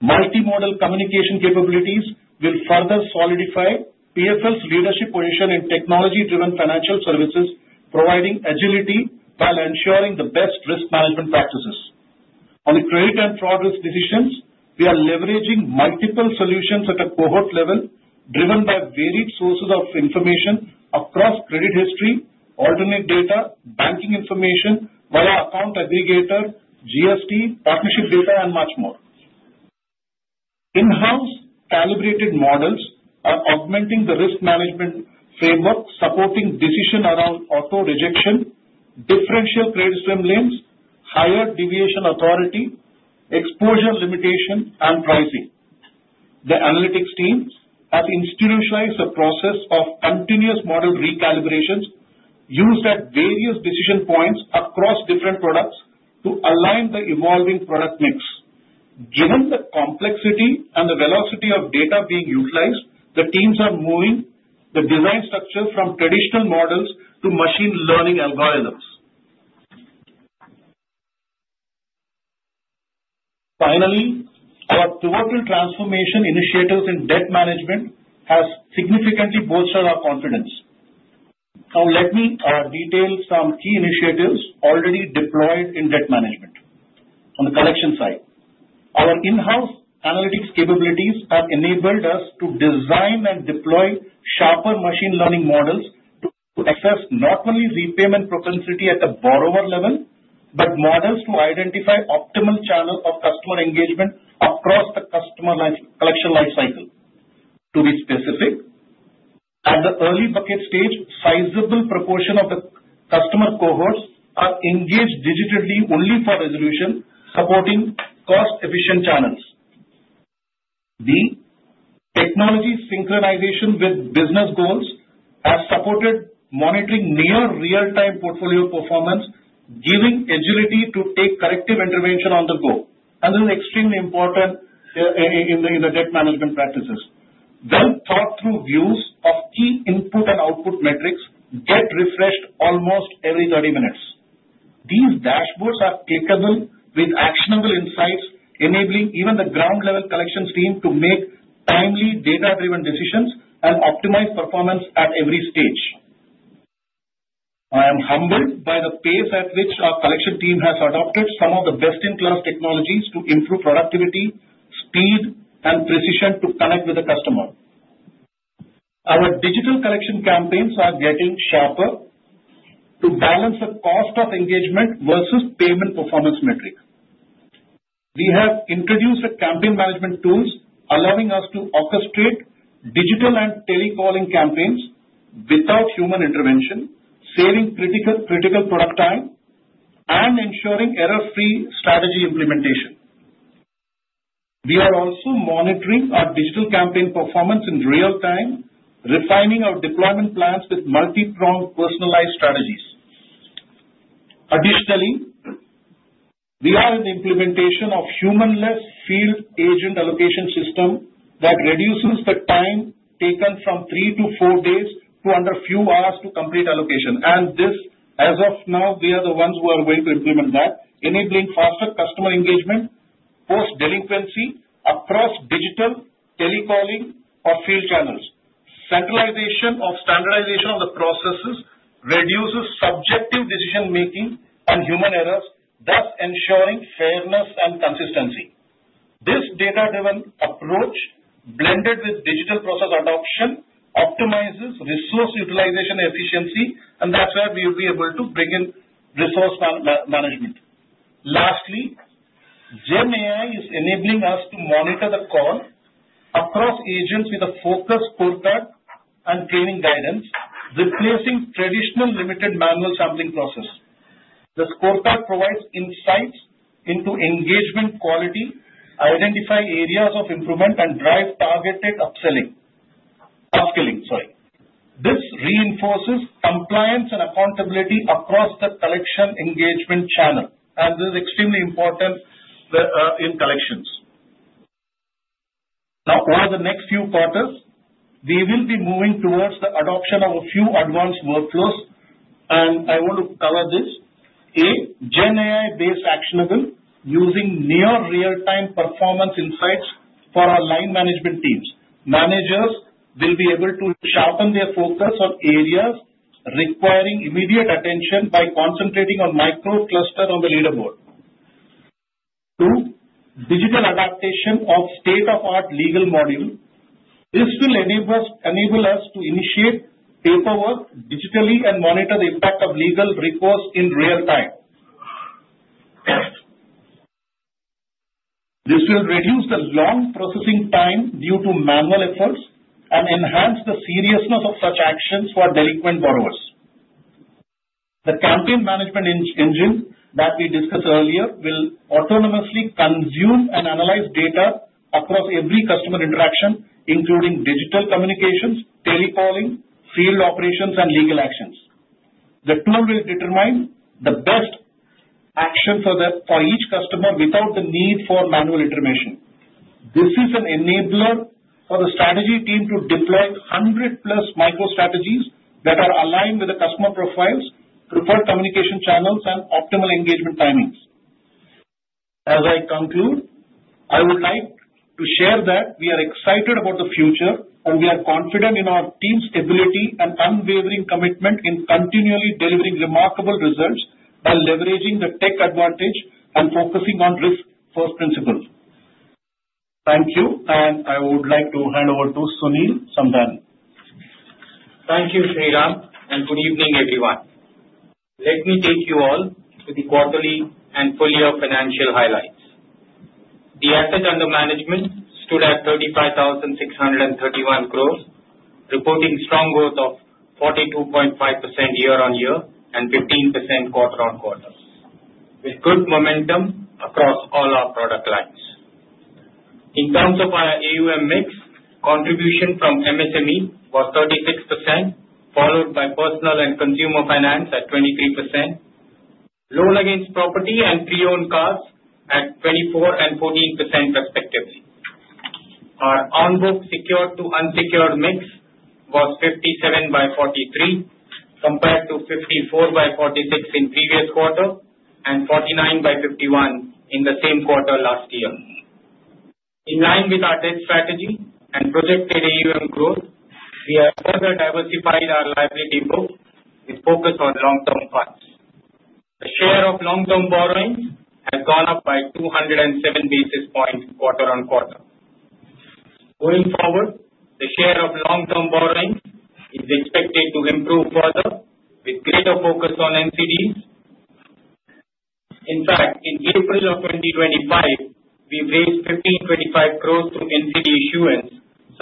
Multimodal communication capabilities will further solidify PFL's leadership position in technology-driven financial services, providing agility while ensuring the best risk management practices. On the credit and fraud risk decisions, we are leveraging multiple solutions at a cohort level, driven by varied sources of information across credit history, alternative data, banking information, via account aggregator, GST, partnership data, and much more. In-house calibrated models are augmenting the risk management framework, supporting decision around auto rejection, differential credit swimlanes, higher deviation authority, exposure limitation, and pricing. The analytics team has institutionalized a process of continuous model recalibrations used at various decision points across different products to align the evolving product mix. Given the complexity and the velocity of data being utilized, the teams are moving the design structure from traditional models to machine learning algorithms. Finally, our pivotal transformation initiatives in debt management have significantly bolstered our confidence. Now, let me detail some key initiatives already deployed in debt management. On the collection side, our in-house analytics capabilities have enabled us to design and deploy sharper machine learning models to assess not only repayment propensity at the borrower level, but models to identify optimal channel of customer engagement across the customer collection lifecycle. To be specific, at the early bucket stage, sizable proportion of the customer cohorts are engaged digitally only for resolution, supporting cost-efficient channels. The technology synchronization with business goals has supported monitoring near real-time portfolio performance, giving agility to take corrective intervention on the go. And this is extremely important in the debt management practices. Well-thought-through views of key input and output metrics get refreshed almost every 30 minutes. These dashboards are clickable with actionable insights, enabling even the ground-level collections team to make timely data-driven decisions and optimize performance at every stage. I am humbled by the pace at which our collection team has adopted some of the best-in-class technologies to improve productivity, speed, and precision to connect with the customer. Our digital collection campaigns are getting sharper to balance the cost of engagement versus payment performance metric. We have introduced campaign management tools allowing us to orchestrate digital and telecalling campaigns without human intervention, saving critical product time and ensuring error-free strategy implementation. We are also monitoring our digital campaign performance in real time, refining our deployment plans with multi-prong personalized strategies. Additionally, we are in the implementation of humanless field agent allocation system that reduces the time taken from three to four days to under a few hours to complete allocation. And this, as of now, we are the ones who are going to implement that, enabling faster customer engagement, post-delinquency across digital, telecalling, or field channels. Centralization of standardization of the processes reduces subjective decision-making and human errors, thus ensuring fairness and consistency. This data-driven approach, blended with digital process adoption, optimizes resource utilization efficiency, and that's where we will be able to bring in resource management. Lastly, GenAI is enabling us to monitor the call across agents with a focused scorecard and training guidance, replacing traditional limited manual sampling process. The scorecard provides insights into engagement quality, identifies areas of improvement, and drives targeted upskilling. This reinforces compliance and accountability across the collection engagement channel, and this is extremely important in collections. Now, over the next few quarters, we will be moving towards the adoption of a few advanced workflows, and I want to cover this. A, GenAI-based actionable using near real-time performance insights for our line management teams. Managers will be able to sharpen their focus on areas requiring immediate attention by concentrating on micro clusters on the leaderboard. Two, digital adaptation of state-of-the-art legal module. This will enable us to initiate paperwork digitally and monitor the impact of legal recourse in real time. This will reduce the long processing time due to manual efforts and enhance the seriousness of such actions for delinquent borrowers. The campaign management engine that we discussed earlier will autonomously consume and analyze data across every customer interaction, including digital communications, telecalling, field operations, and legal actions. The tool will determine the best action for each customer without the need for manual intervention. This is an enabler for the strategy team to deploy 100 plus micro strategies that are aligned with the customer profiles, preferred communication channels, and optimal engagement timings. As I conclude, I would like to share that we are excited about the future, and we are confident in our team's ability and unwavering commitment in continually delivering remarkable results by leveraging the tech advantage and focusing on risk-first principles. Thank you, and I would like to hand over to Sunil Samdani. Thank you, Shriram, and good evening, everyone. Let me take you all to the quarterly and full-year financial highlights. The asset under management stood at 35,631 crores, reporting strong growth of 42.5% year-on-year and 15% quarter-on-quarter, with good momentum across all our product lines. In terms of our AUM mix, contribution from MSME was 36%, followed by Personal and Consumer Finance at 23%, Loan Against Property and Pre-owned Cars at 24 and 14%, respectively. Our on-book secured to unsecured mix was 57 by 43, compared to 54 by 46 in previous quarter and 49 by 51 in the same quarter last year. In line with our debt strategy and projected AUM growth, we have further diversified our liability book with focus on long-term funds. The share of long-term borrowing has gone up by 207 basis points quarter-on-quarter. Going forward, the share of long-term borrowing is expected to improve further with greater focus on NCDs. In fact, in April of 2025, we raised 1,525 crores through NCD issuance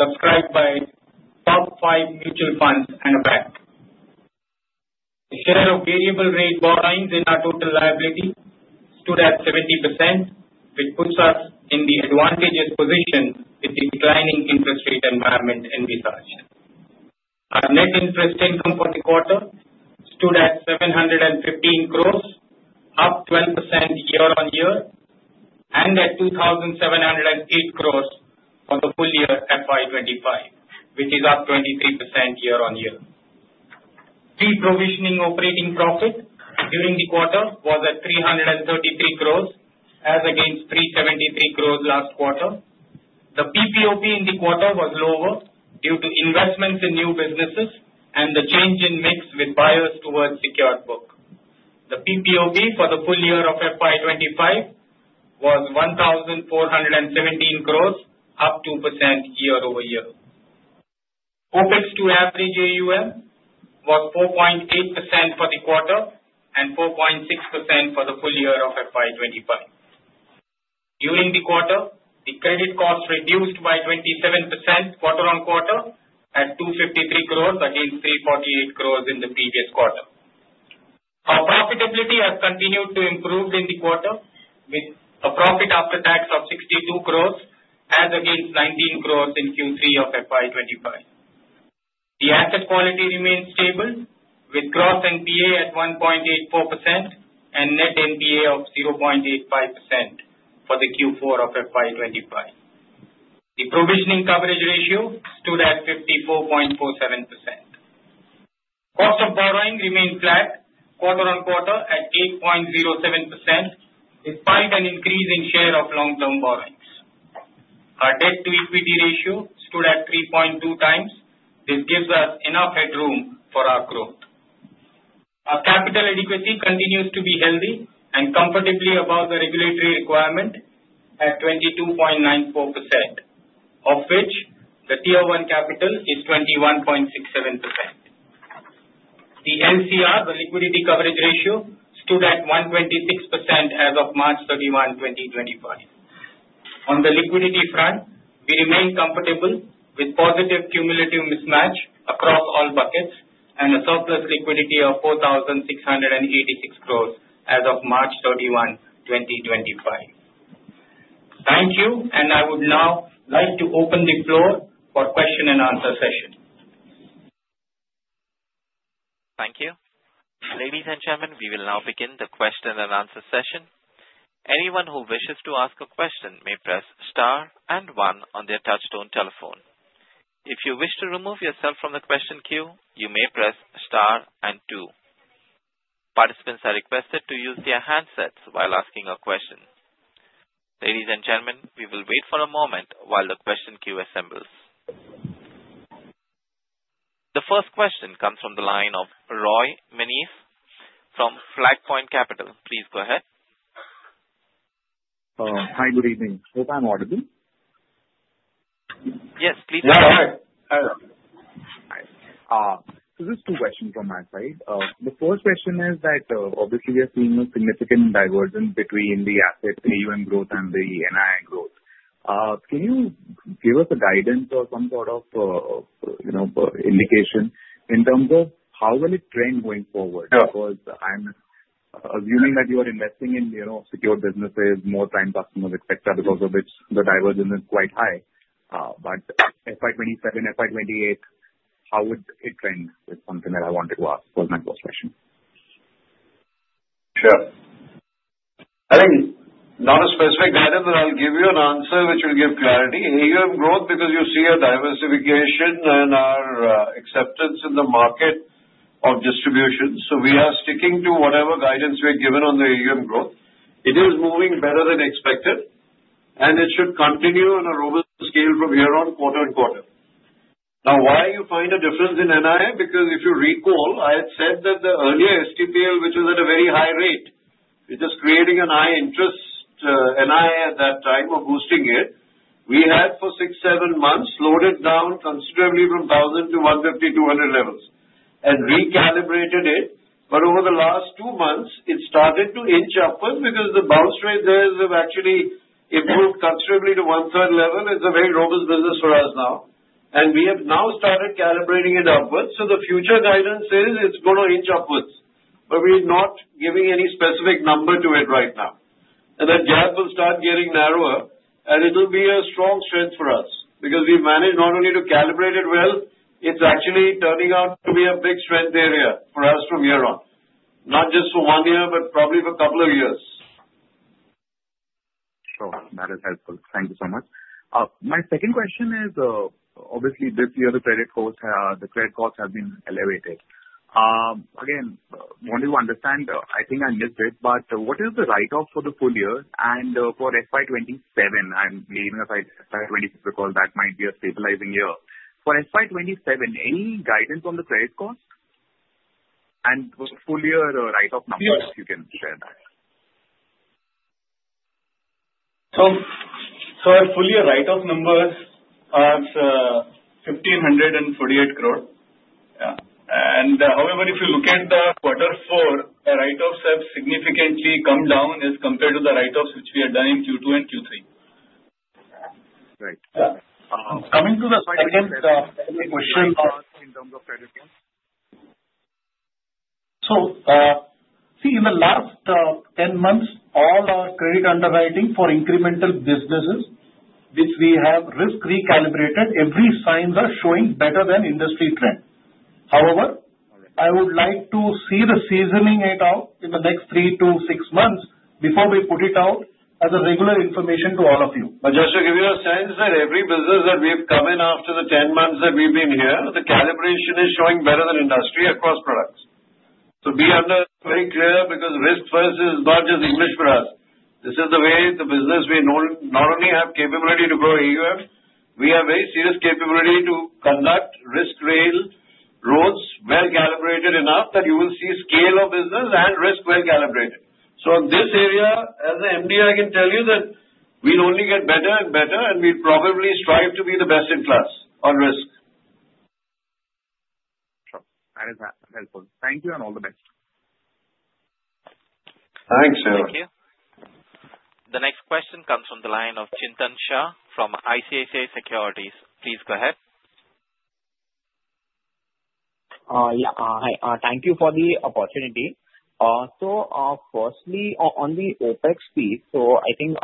subscribed by top five mutual funds and a bank. The share of variable-rate borrowings in our total liability stood at 70%, which puts us in the advantageous position with the declining interest rate environment in this election. Our net interest income for the quarter stood at 715 crores, up 12% year-on-year, and at 2,708 crores for the full year FY25, which is up 23% year-on-year. Pre-provisioning operating profit during the quarter was at 333 crores, as against 373 crores last quarter. The PPOP in the quarter was lower due to investments in new businesses and the change in mix with buyers towards secured book. The PPOP for the full year of FY25 was INR 1,417 crores, up 2% year-over-year. OpEx to average AUM was 4.8% for the quarter and 4.6% for the full year of FY25. During the quarter, the credit costs reduced by 27% quarter-on-quarter at 253 crores against 348 crores in the previous quarter. Our profitability has continued to improve in the quarter with a profit after tax of 62 crores, as against 19 crores in Q3 of FY25. The asset quality remains stable with gross NPA at 1.84% and net NPA of 0.85% for the Q4 of FY25. The provisioning coverage ratio stood at 54.47%. Cost of borrowing remained flat quarter-on-quarter at 8.07%, despite an increase in share of long-term borrowings. Our debt-to-equity ratio stood at 3.2 times. This gives us enough headroom for our growth. Our capital adequacy continues to be healthy and comfortably above the regulatory requirement at 22.94%, of which the Tier 1 capital is 21.67%. The LCR, the liquidity coverage ratio, stood at 126% as of March 31, 2025. On the liquidity front, we remain comfortable with positive cumulative mismatch across all buckets and a surplus liquidity of 4,686 crores as of March 31, 2025. Thank you, and I would now like to open the floor for question and answer session. Thank you. Ladies and gentlemen, we will now begin the question and answer session. Anyone who wishes to ask a question may press star and one on their touch-tone telephone. If you wish to remove yourself from the question queue, you may press star and two. Participants are requested to use their handsets while asking a question. Ladies and gentlemen, we will wait for a moment while the question queue assembles. The first question comes from the line of Roy Menes from Flag Point Capital. Please go ahead. Hi, good evening. Is my mic audible? Yes, please go ahead. Yeah, all right. All right. So just two questions from my side. The first question is that, obviously, we are seeing a significant divergence between the asset AUM growth and the NII growth. Can you give us a guidance or some sort of indication in terms of how will it trend going forward? Because I'm assuming that you are investing in secure businesses, mortgage customers, etc., because of which the divergence is quite high. But FY27, FY28, how would it trend? It's something that I wanted to ask was my first question. Sure. I think not a specific guidance, but I'll give you an answer which will give clarity. AUM growth, because you see our diversification and our acceptance in the market of distributions. So we are sticking to whatever guidance we're given on the AUM growth. It is moving better than expected, and it should continue on a robust scale from here on quarter-on-quarter. Now, why do you find a difference in NII? Because if you recall, I had said that the earlier STPL, which was at a very high rate, which was creating a high interest, NII at that time were boosting it. We had for six, seven months slowed it down considerably from 1,000 to 150, 200 levels and recalibrated it. But over the last two months, it started to inch upward because the bounce rate there has actually improved considerably to one-third level. It's a very robust business for us now, and we have now started calibrating it upward. The future guidance is it's going to inch upwards, but we're not giving any specific number to it right now. That gap will start getting narrower, and it will be a strong strength for us because we've managed not only to calibrate it well, it's actually turning out to be a big strength area for us from here on, not just for one year, but probably for a couple of years. Sure. That is helpful. Thank you so much. My second question is, obviously, this year the credit costs have been elevated. Again, I want you to understand, I think I missed it, but what is the write-off for the full year? And for FY27, I'm leaving aside FY26 because that might be a stabilizing year. For FY27, any guidance on the credit costs and full-year write-off numbers if you can share that? So our full-year write-off numbers are 1,548 crores. However, if you look at the quarter four, the write-offs have significantly come down as compared to the write-offs which we had done in Q2 and Q3. Right. Coming to the question in terms of credit growth. See, in the last 10 months, all our credit underwriting for incremental businesses which we have risk recalibrated, every signs are showing better than industry trend. However, I would like to see the seasoning it out in the next three to six months before we put it out as a regular information to all of you. Just to give you a sense, every business that we have come in after the 10 months that we've been here, the calibration is showing better than industry across products. Be very clear because Risk-First is not just English for us. This is the way the business. We not only have capability to grow AUM. We have very serious capability to conduct risk guardrails well calibrated enough that you will see scale of business and risk well calibrated. So in this area, as an MD, I can tell you that we'll only get better and better, and we'll probably strive to be the best in class on risk. Sure. That is helpful. Thank you and all the best. Thanks, Sir. Thank you. The next question comes from the line of Chintan Shah from ICICI Securities. Please go ahead. Yeah. Hi. Thank you for the opportunity. So firstly, on the OpEx piece, so I think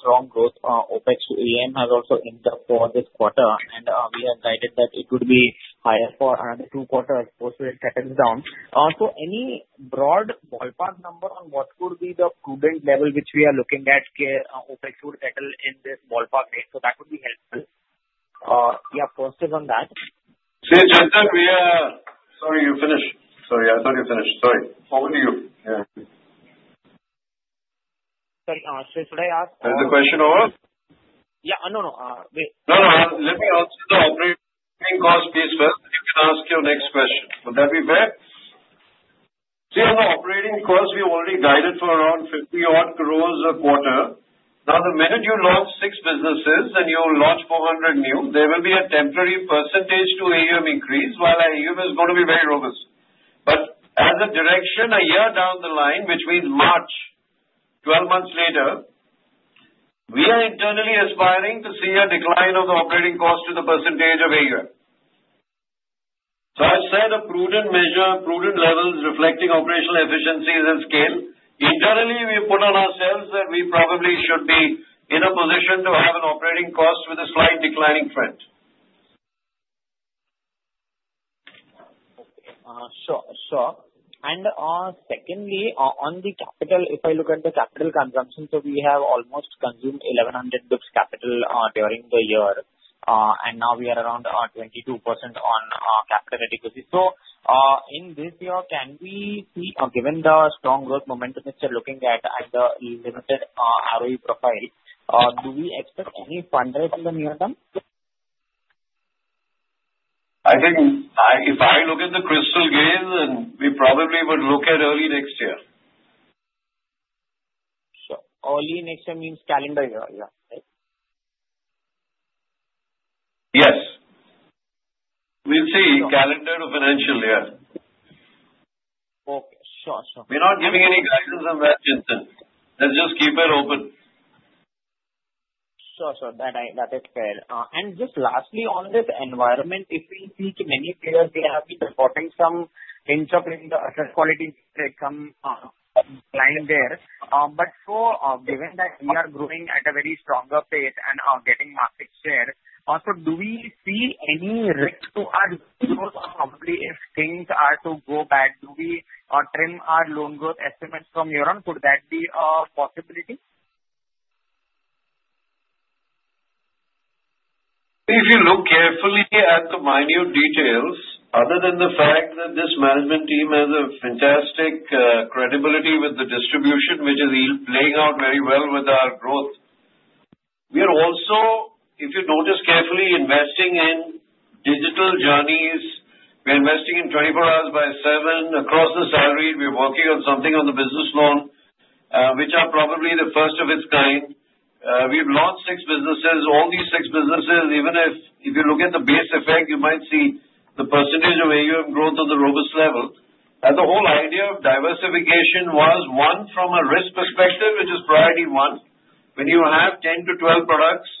strong growth. OpEx to AUM has also inched up for this quarter, and we have guided that it would be higher for another two quarters post which, it settles down. Also, any broad ballpark number on what could be the prudent level which we are looking at OpEx would settle in this ballpark range? So that would be helpful. Yeah. First is on that. Sir, just that we are sorry, You finished. Sorry. I thought you finished. Sorry. Over to you. Yeah. Sorry. Sir, should I ask? Is the question over? Yeah. No, no. Wait. No, no. Let me answer the operating cost piece first, and you can ask your next question. Would that be fair? See, on the operating costs, we've already guided for around 50-odd crores a quarter. Now, the minute you launch six businesses and you launch 400 new, there will be a temporary percentage to AUM increase while AUM is going to be very robust. But as a direction a year down the line, which means March, 12 months later, we are internally aspiring to see a decline of the operating cost to the percentage of AUM. So I've said a prudent measure, prudent levels reflecting operational efficiencies and scale. Internally, we put on ourselves that we probably should be in a position to have an operating cost with a slight declining trend. Sure. And secondly, on the capital, if I look at the capital consumption, so we have almost consumed 1,100 crores capital during the year, and now we are around 22% on capital adequacy. So in this year, can we see, given the strong growth momentum which you're looking at and the limited ROE profile, do we expect any fundraising in the near term? I think if I look at the crystal ball, then we probably would look at early next year. Sure. Early next year means calendar year, yeah, right? Yes. We'll see calendar year to financial year. Okay. Sure. We're not giving any guidance on that, Chintan. Let's just keep it open. Sure. That is fair. And just lastly, on this environment, if we see too many players we have been reporting some asset quality decline there. But given that we are growing at a very stronger pace and are getting market share, also do we see any risk to our profitability if things are to go bad, do we trim our loan growth estimates from here on? Could that be a possibility? If you look carefully at the minute details, other than the fact that this management team has a fantastic credibility with the distribution, which is playing out very well with our growth. We are also, if you notice carefully, investing in digital journeys. We're investing in 24 hours by 7 across the salaries. We're working on something on the business loan, which are probably the first of its kind. We've launched six businesses. All these six businesses, even if you look at the base effect, you might see the percentage of AUM growth on the robust level. And the whole idea of diversification was, one, from a risk perspective, which is priority one. When you have 10-12 products,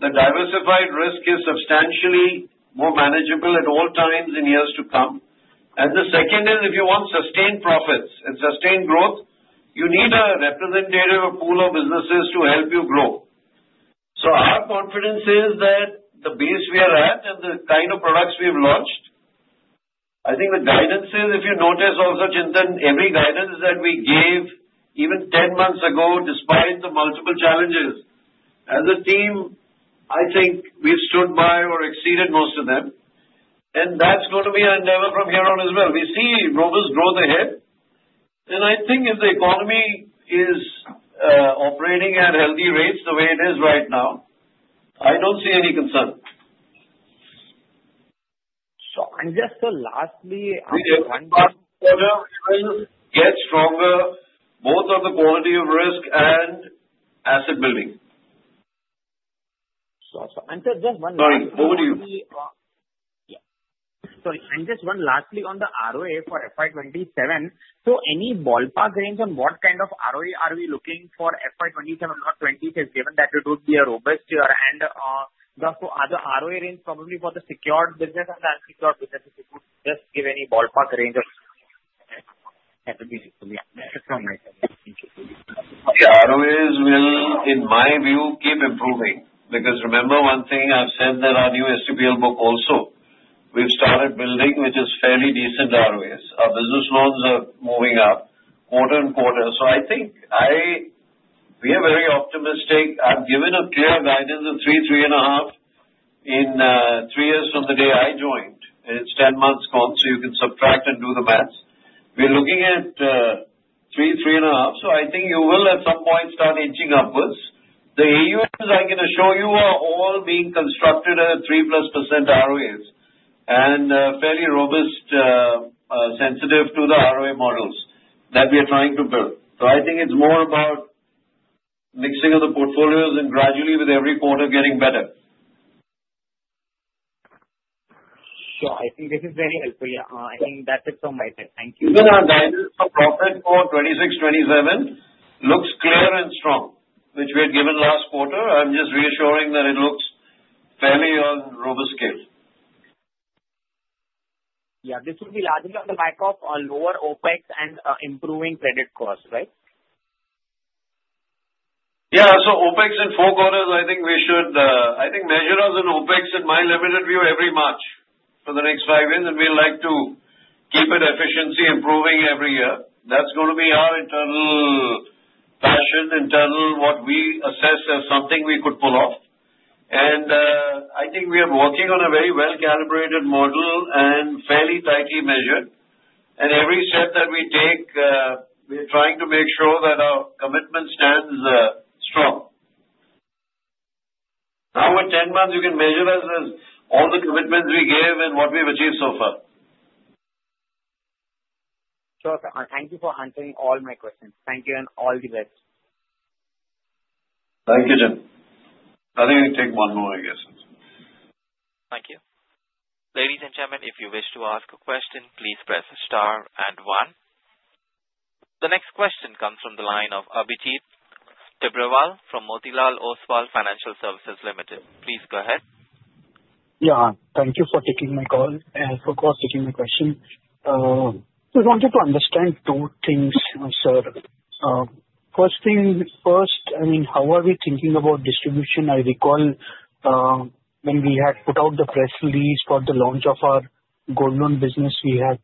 the diversified risk is substantially more manageable at all times in years to come. And the second is, if you want sustained profits and sustained growth, you need a representative of pool of businesses to help you grow. So our confidence is that the base we are at and the kind of products we've launched, I think the guidance is, if you notice also, Chintan, every guidance that we gave even 10 months ago, despite the multiple challenges, as a team, I think we've stood by or exceeded most of them. And that's going to be our endeavor from here on as well. We see robust growth ahead. And I think if the economy is operating at healthy rates the way it is right now, I don't see any concern. Sure. And just lastly, one last quarter, which will get stronger, Both on the quality of risk and asset building. And just one last. Sorry. Over to you. Yeah. Sorry. And just one last thing on the ROA for FY 2027. So any ballpark range on what kind of ROE are we looking for FY 2027 or 2026, given that it would be a robust year? And are the ROA range probably for the secured businesses? And if you could just give any ballpark range of. The ROAs will, in my view, keep improving because remember one thing I've said that our new STPL book also, we've started building, which is fairly decent ROAs. Our business loans are moving up quarter and quarter. So I think we are very optimistic. I've given a clear guidance of three, three and a half in three years from the day I joined. It's 10 months gone, so you can subtract and do the math. We're looking at three, three and a half. So I think you will at some point start inching upwards. The AUMs I can assure you are all being constructed at 3+% ROAs and fairly robust, sensitive to the ROA models that we are trying to build. So I think it's more about mixing of the portfolios and gradually, with every quarter, getting better. Sure. I think this is very helpful. Yeah. I think that's it from my side. Thank you. Even our guidance for profit for 2026, 2027 looks clear and strong, which we had given last quarter. I'm just reassuring that it looks fairly on robust scale. Yeah. This will be largely on the back of lower OpEx and improving credit costs, right? Yeah. OpEx in four quarters, I think we should, I think, measure us in OpEx in my limited view every March for the next five years. We'd like to keep it efficiency improving every year. That's going to be our internal passion, internal what we assess as something we could pull off. And I think we are working on a very well-calibrated model and fairly tightly measured. And every step that we take, we're trying to make sure that our commitment stands strong. Now, with 10 months, you can measure us as all the commitments we gave and what we've achieved so far. Sure. Thank you for answering all my questions. Thank you and all the best. Thank you, Chintan. I think I can take one more, I guess. Thank you. Ladies and gentlemen, if you wish to ask a question, please press star and one. The next question comes from the line of Abhijit Tibrewal from Motilal Oswal Financial Services Limited. Please go ahead. Yeah. Thank you for taking my call and, of course, taking my question. I wanted to understand two things, sir. First thing first, I mean, how are we thinking about distribution? I recall when we had put out the press release for the launch of our Gold Loan business, we had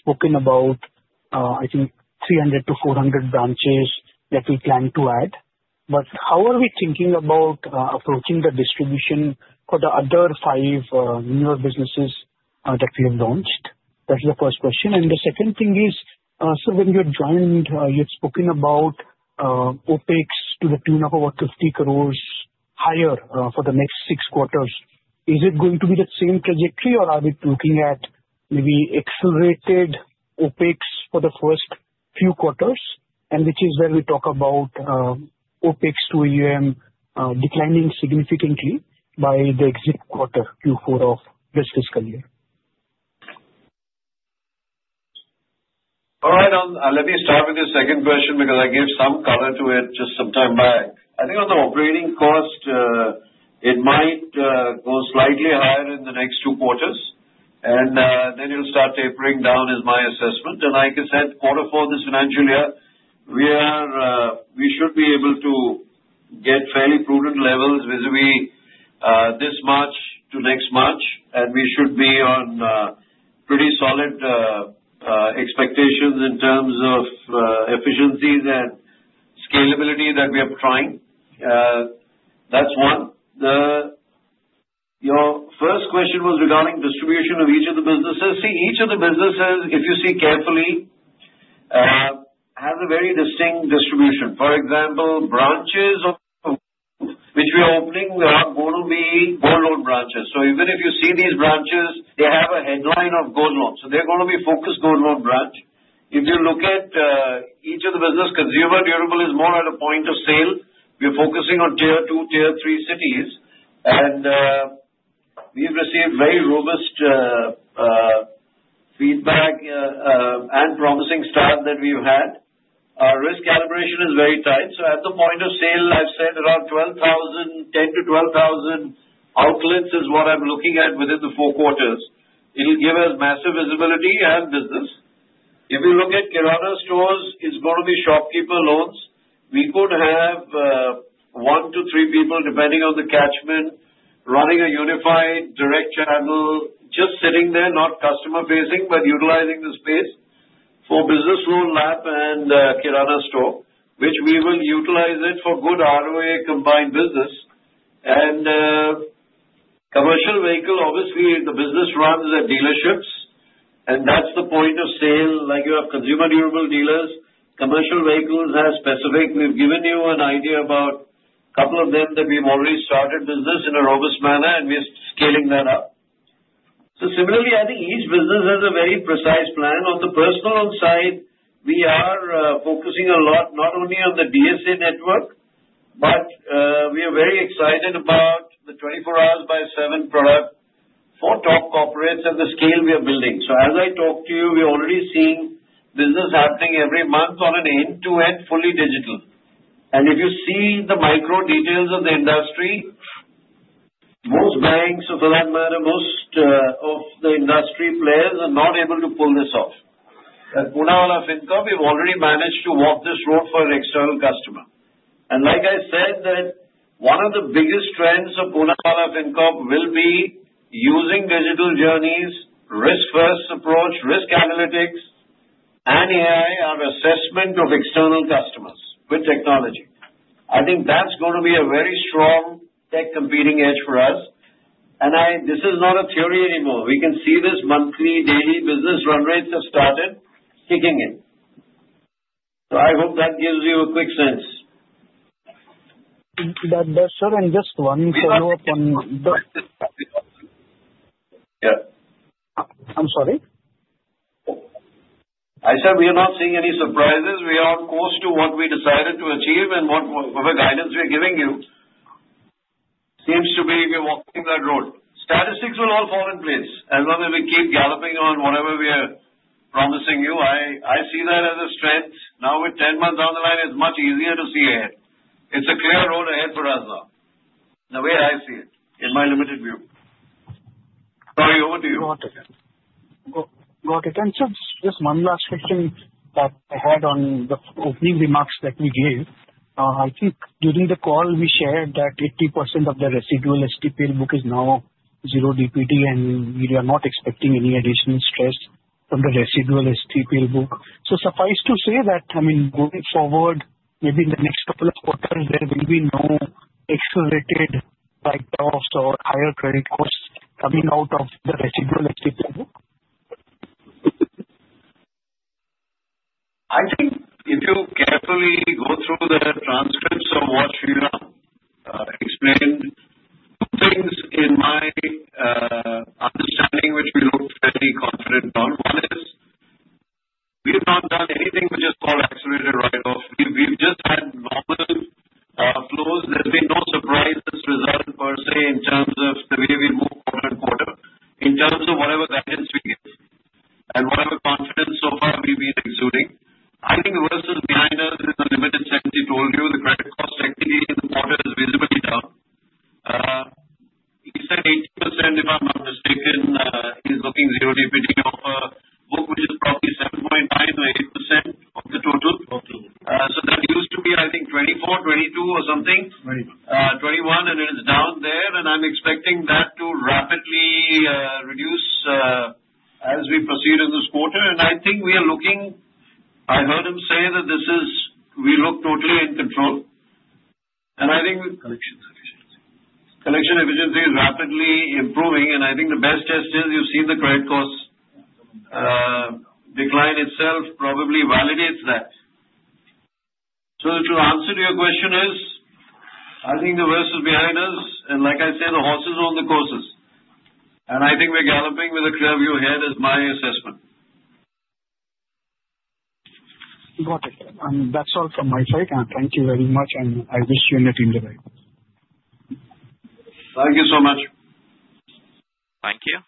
spoken about, I mean, 300 to 400 branches that we plan to add. But how are we thinking about approaching the distribution for the other five newer businesses that we have launched? That's the first question. And the second thing is, so when you joined, you had spoken about OpEx to the tune of about 50 crores higher for the next six quarters. Is it going to be the same trajectory, or are we looking at maybe accelerated OpEx for the first few quarters? And which is where we talk about OpEx to AUM declining significantly by the exit quarter, Q4 of this fiscal year? All right. Let me start with the second question because I gave some color to it just some time back. I think on the operating cost, it might go slightly higher in the next two quarters, and then it'll start tapering down, is my assessment, and like I said, quarter four this financial year, we should be able to get fairly prudent levels vis-à-vis this March to next March, and we should be on pretty solid expectations in terms of efficiencies and scalability that we are trying. That's one. Your first question was regarding distribution of each of the businesses. See, each of the businesses, if you see carefully, has a very distinct distribution. For example, branches of which we are opening are going to be Gold Loan branches. So even if you see these branches, they have a headline of Gold Loan. So they're going to be focused Gold Loan branch. If you look at each of the business, consumer durable is more at a point of sale. We're focusing on tier two, tier three cities. And we've received very robust feedback and promising staff that we've had. Our risk calibration is very tight. So at the point of sale, I've said around 10 to 12 thousand outlets is what I'm looking at within the four quarters. It'll give us massive visibility and business. If you look at Kirana stores, it's going to be shopkeeper loans. We could have one to three people, depending on the catchment, running a unified direct channel, just sitting there, not customer-facing, but utilizing the space for business loan LAP and Kirana store, which we will utilize it for good ROE combined business. And commercial vehicle, obviously, the business runs at dealerships. And that's the point of sale. Like you have consumer durable dealers, commercial vehicles are specific. We've given you an idea about a couple of them that we've already started business in a robust manner, and we're scaling that up. So similarly, I think each business has a very precise plan. On the personal side, we are focusing a lot not only on the DSA network, but we are very excited about the 24 hours by 7 product for top corporates and the scale we are building. So as I talk to you, we're already seeing business happening every month on an end-to-end fully digital. And if you see the micro details of the industry, most banks, for that matter, most of the industry players are not able to pull this off. At Poonawalla Fincorp, we've already managed to walk this road for an external customer. And, like I said, one of the biggest trends of Poonawalla Fincorp will be using digital journeys, risk-first approach, risk analytics, and AI, our assessment of external customers with technology. I think that's going to be a very strong tech competing edge for us. And this is not a theory anymore. We can see this monthly, daily business run rates have started kicking in. So I hope that gives you a quick sense. That's so. And just one follow-up on. Yeah. I'm sorry. I said we are not seeing any surprises. We are close to what we decided to achieve and what guidance we're giving you. Seems to be we're walking that road. Statistics will all fall in place as long as we keep galloping on whatever we are promising you. I see that as a strength. Now, with 10 months down the line, it's much easier to see ahead. It's a clear road ahead for us now, the way I see it in my limited view. Sorry. Over to you. Got it. And just one last question that I had on the opening remarks that we gave. I think during the call, we shared that 80% of the residual STPL book is now zero DPD, and we are not expecting any additional stress from the residual STPL book. So suffice to say that, I mean, going forward, maybe in the next couple of quarters, there will be no accelerated cost or higher credit costs coming out of the residual STPL book. I think if you carefully go through the transcripts of what you explained, two things in my understanding, which we looked fairly confident on. One is we have not done anything which is called accelerated write-off. We've just had normal flows. There's been no surprises result per se in terms of the way we move quarter and quarter, in terms of whatever guidance we give and whatever confidence so far we've been exuding. I think the work that's behind us is limited, as I told you. The credit cost activity in the quarter is visibly down. He said 80%, if I'm not mistaken. He's looking zero DPD offer, which is probably 7.9% or 8% of the total. So that used to be, I think, 24, 22 or something. 21. 21, and it is down there. I'm expecting that to rapidly reduce as we proceed in this quarter. I think we are looking. I heard him say that this is. We look totally in control. I think collection efficiency is rapidly improving. And I think the best test is you've seen the credit cost decline itself probably validates that. So to answer your question is, I think the work is behind us. And like I said, the horses for courses. And I think we're galloping with a clear view ahead is my assessment. Got it. And that's all from my side. And thank you very much. And I wish you an evening delight. Thank you so much. Thank you.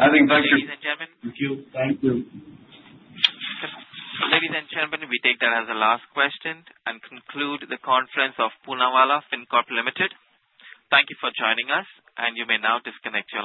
I think thank you. Ladies and gentlemen. Thank you. Thank you. Ladies and gentlemen, we take that as a last question and conclude the conference of Poonawalla Fincorp Limited. Thank you for joining us. And you may now disconnect your line.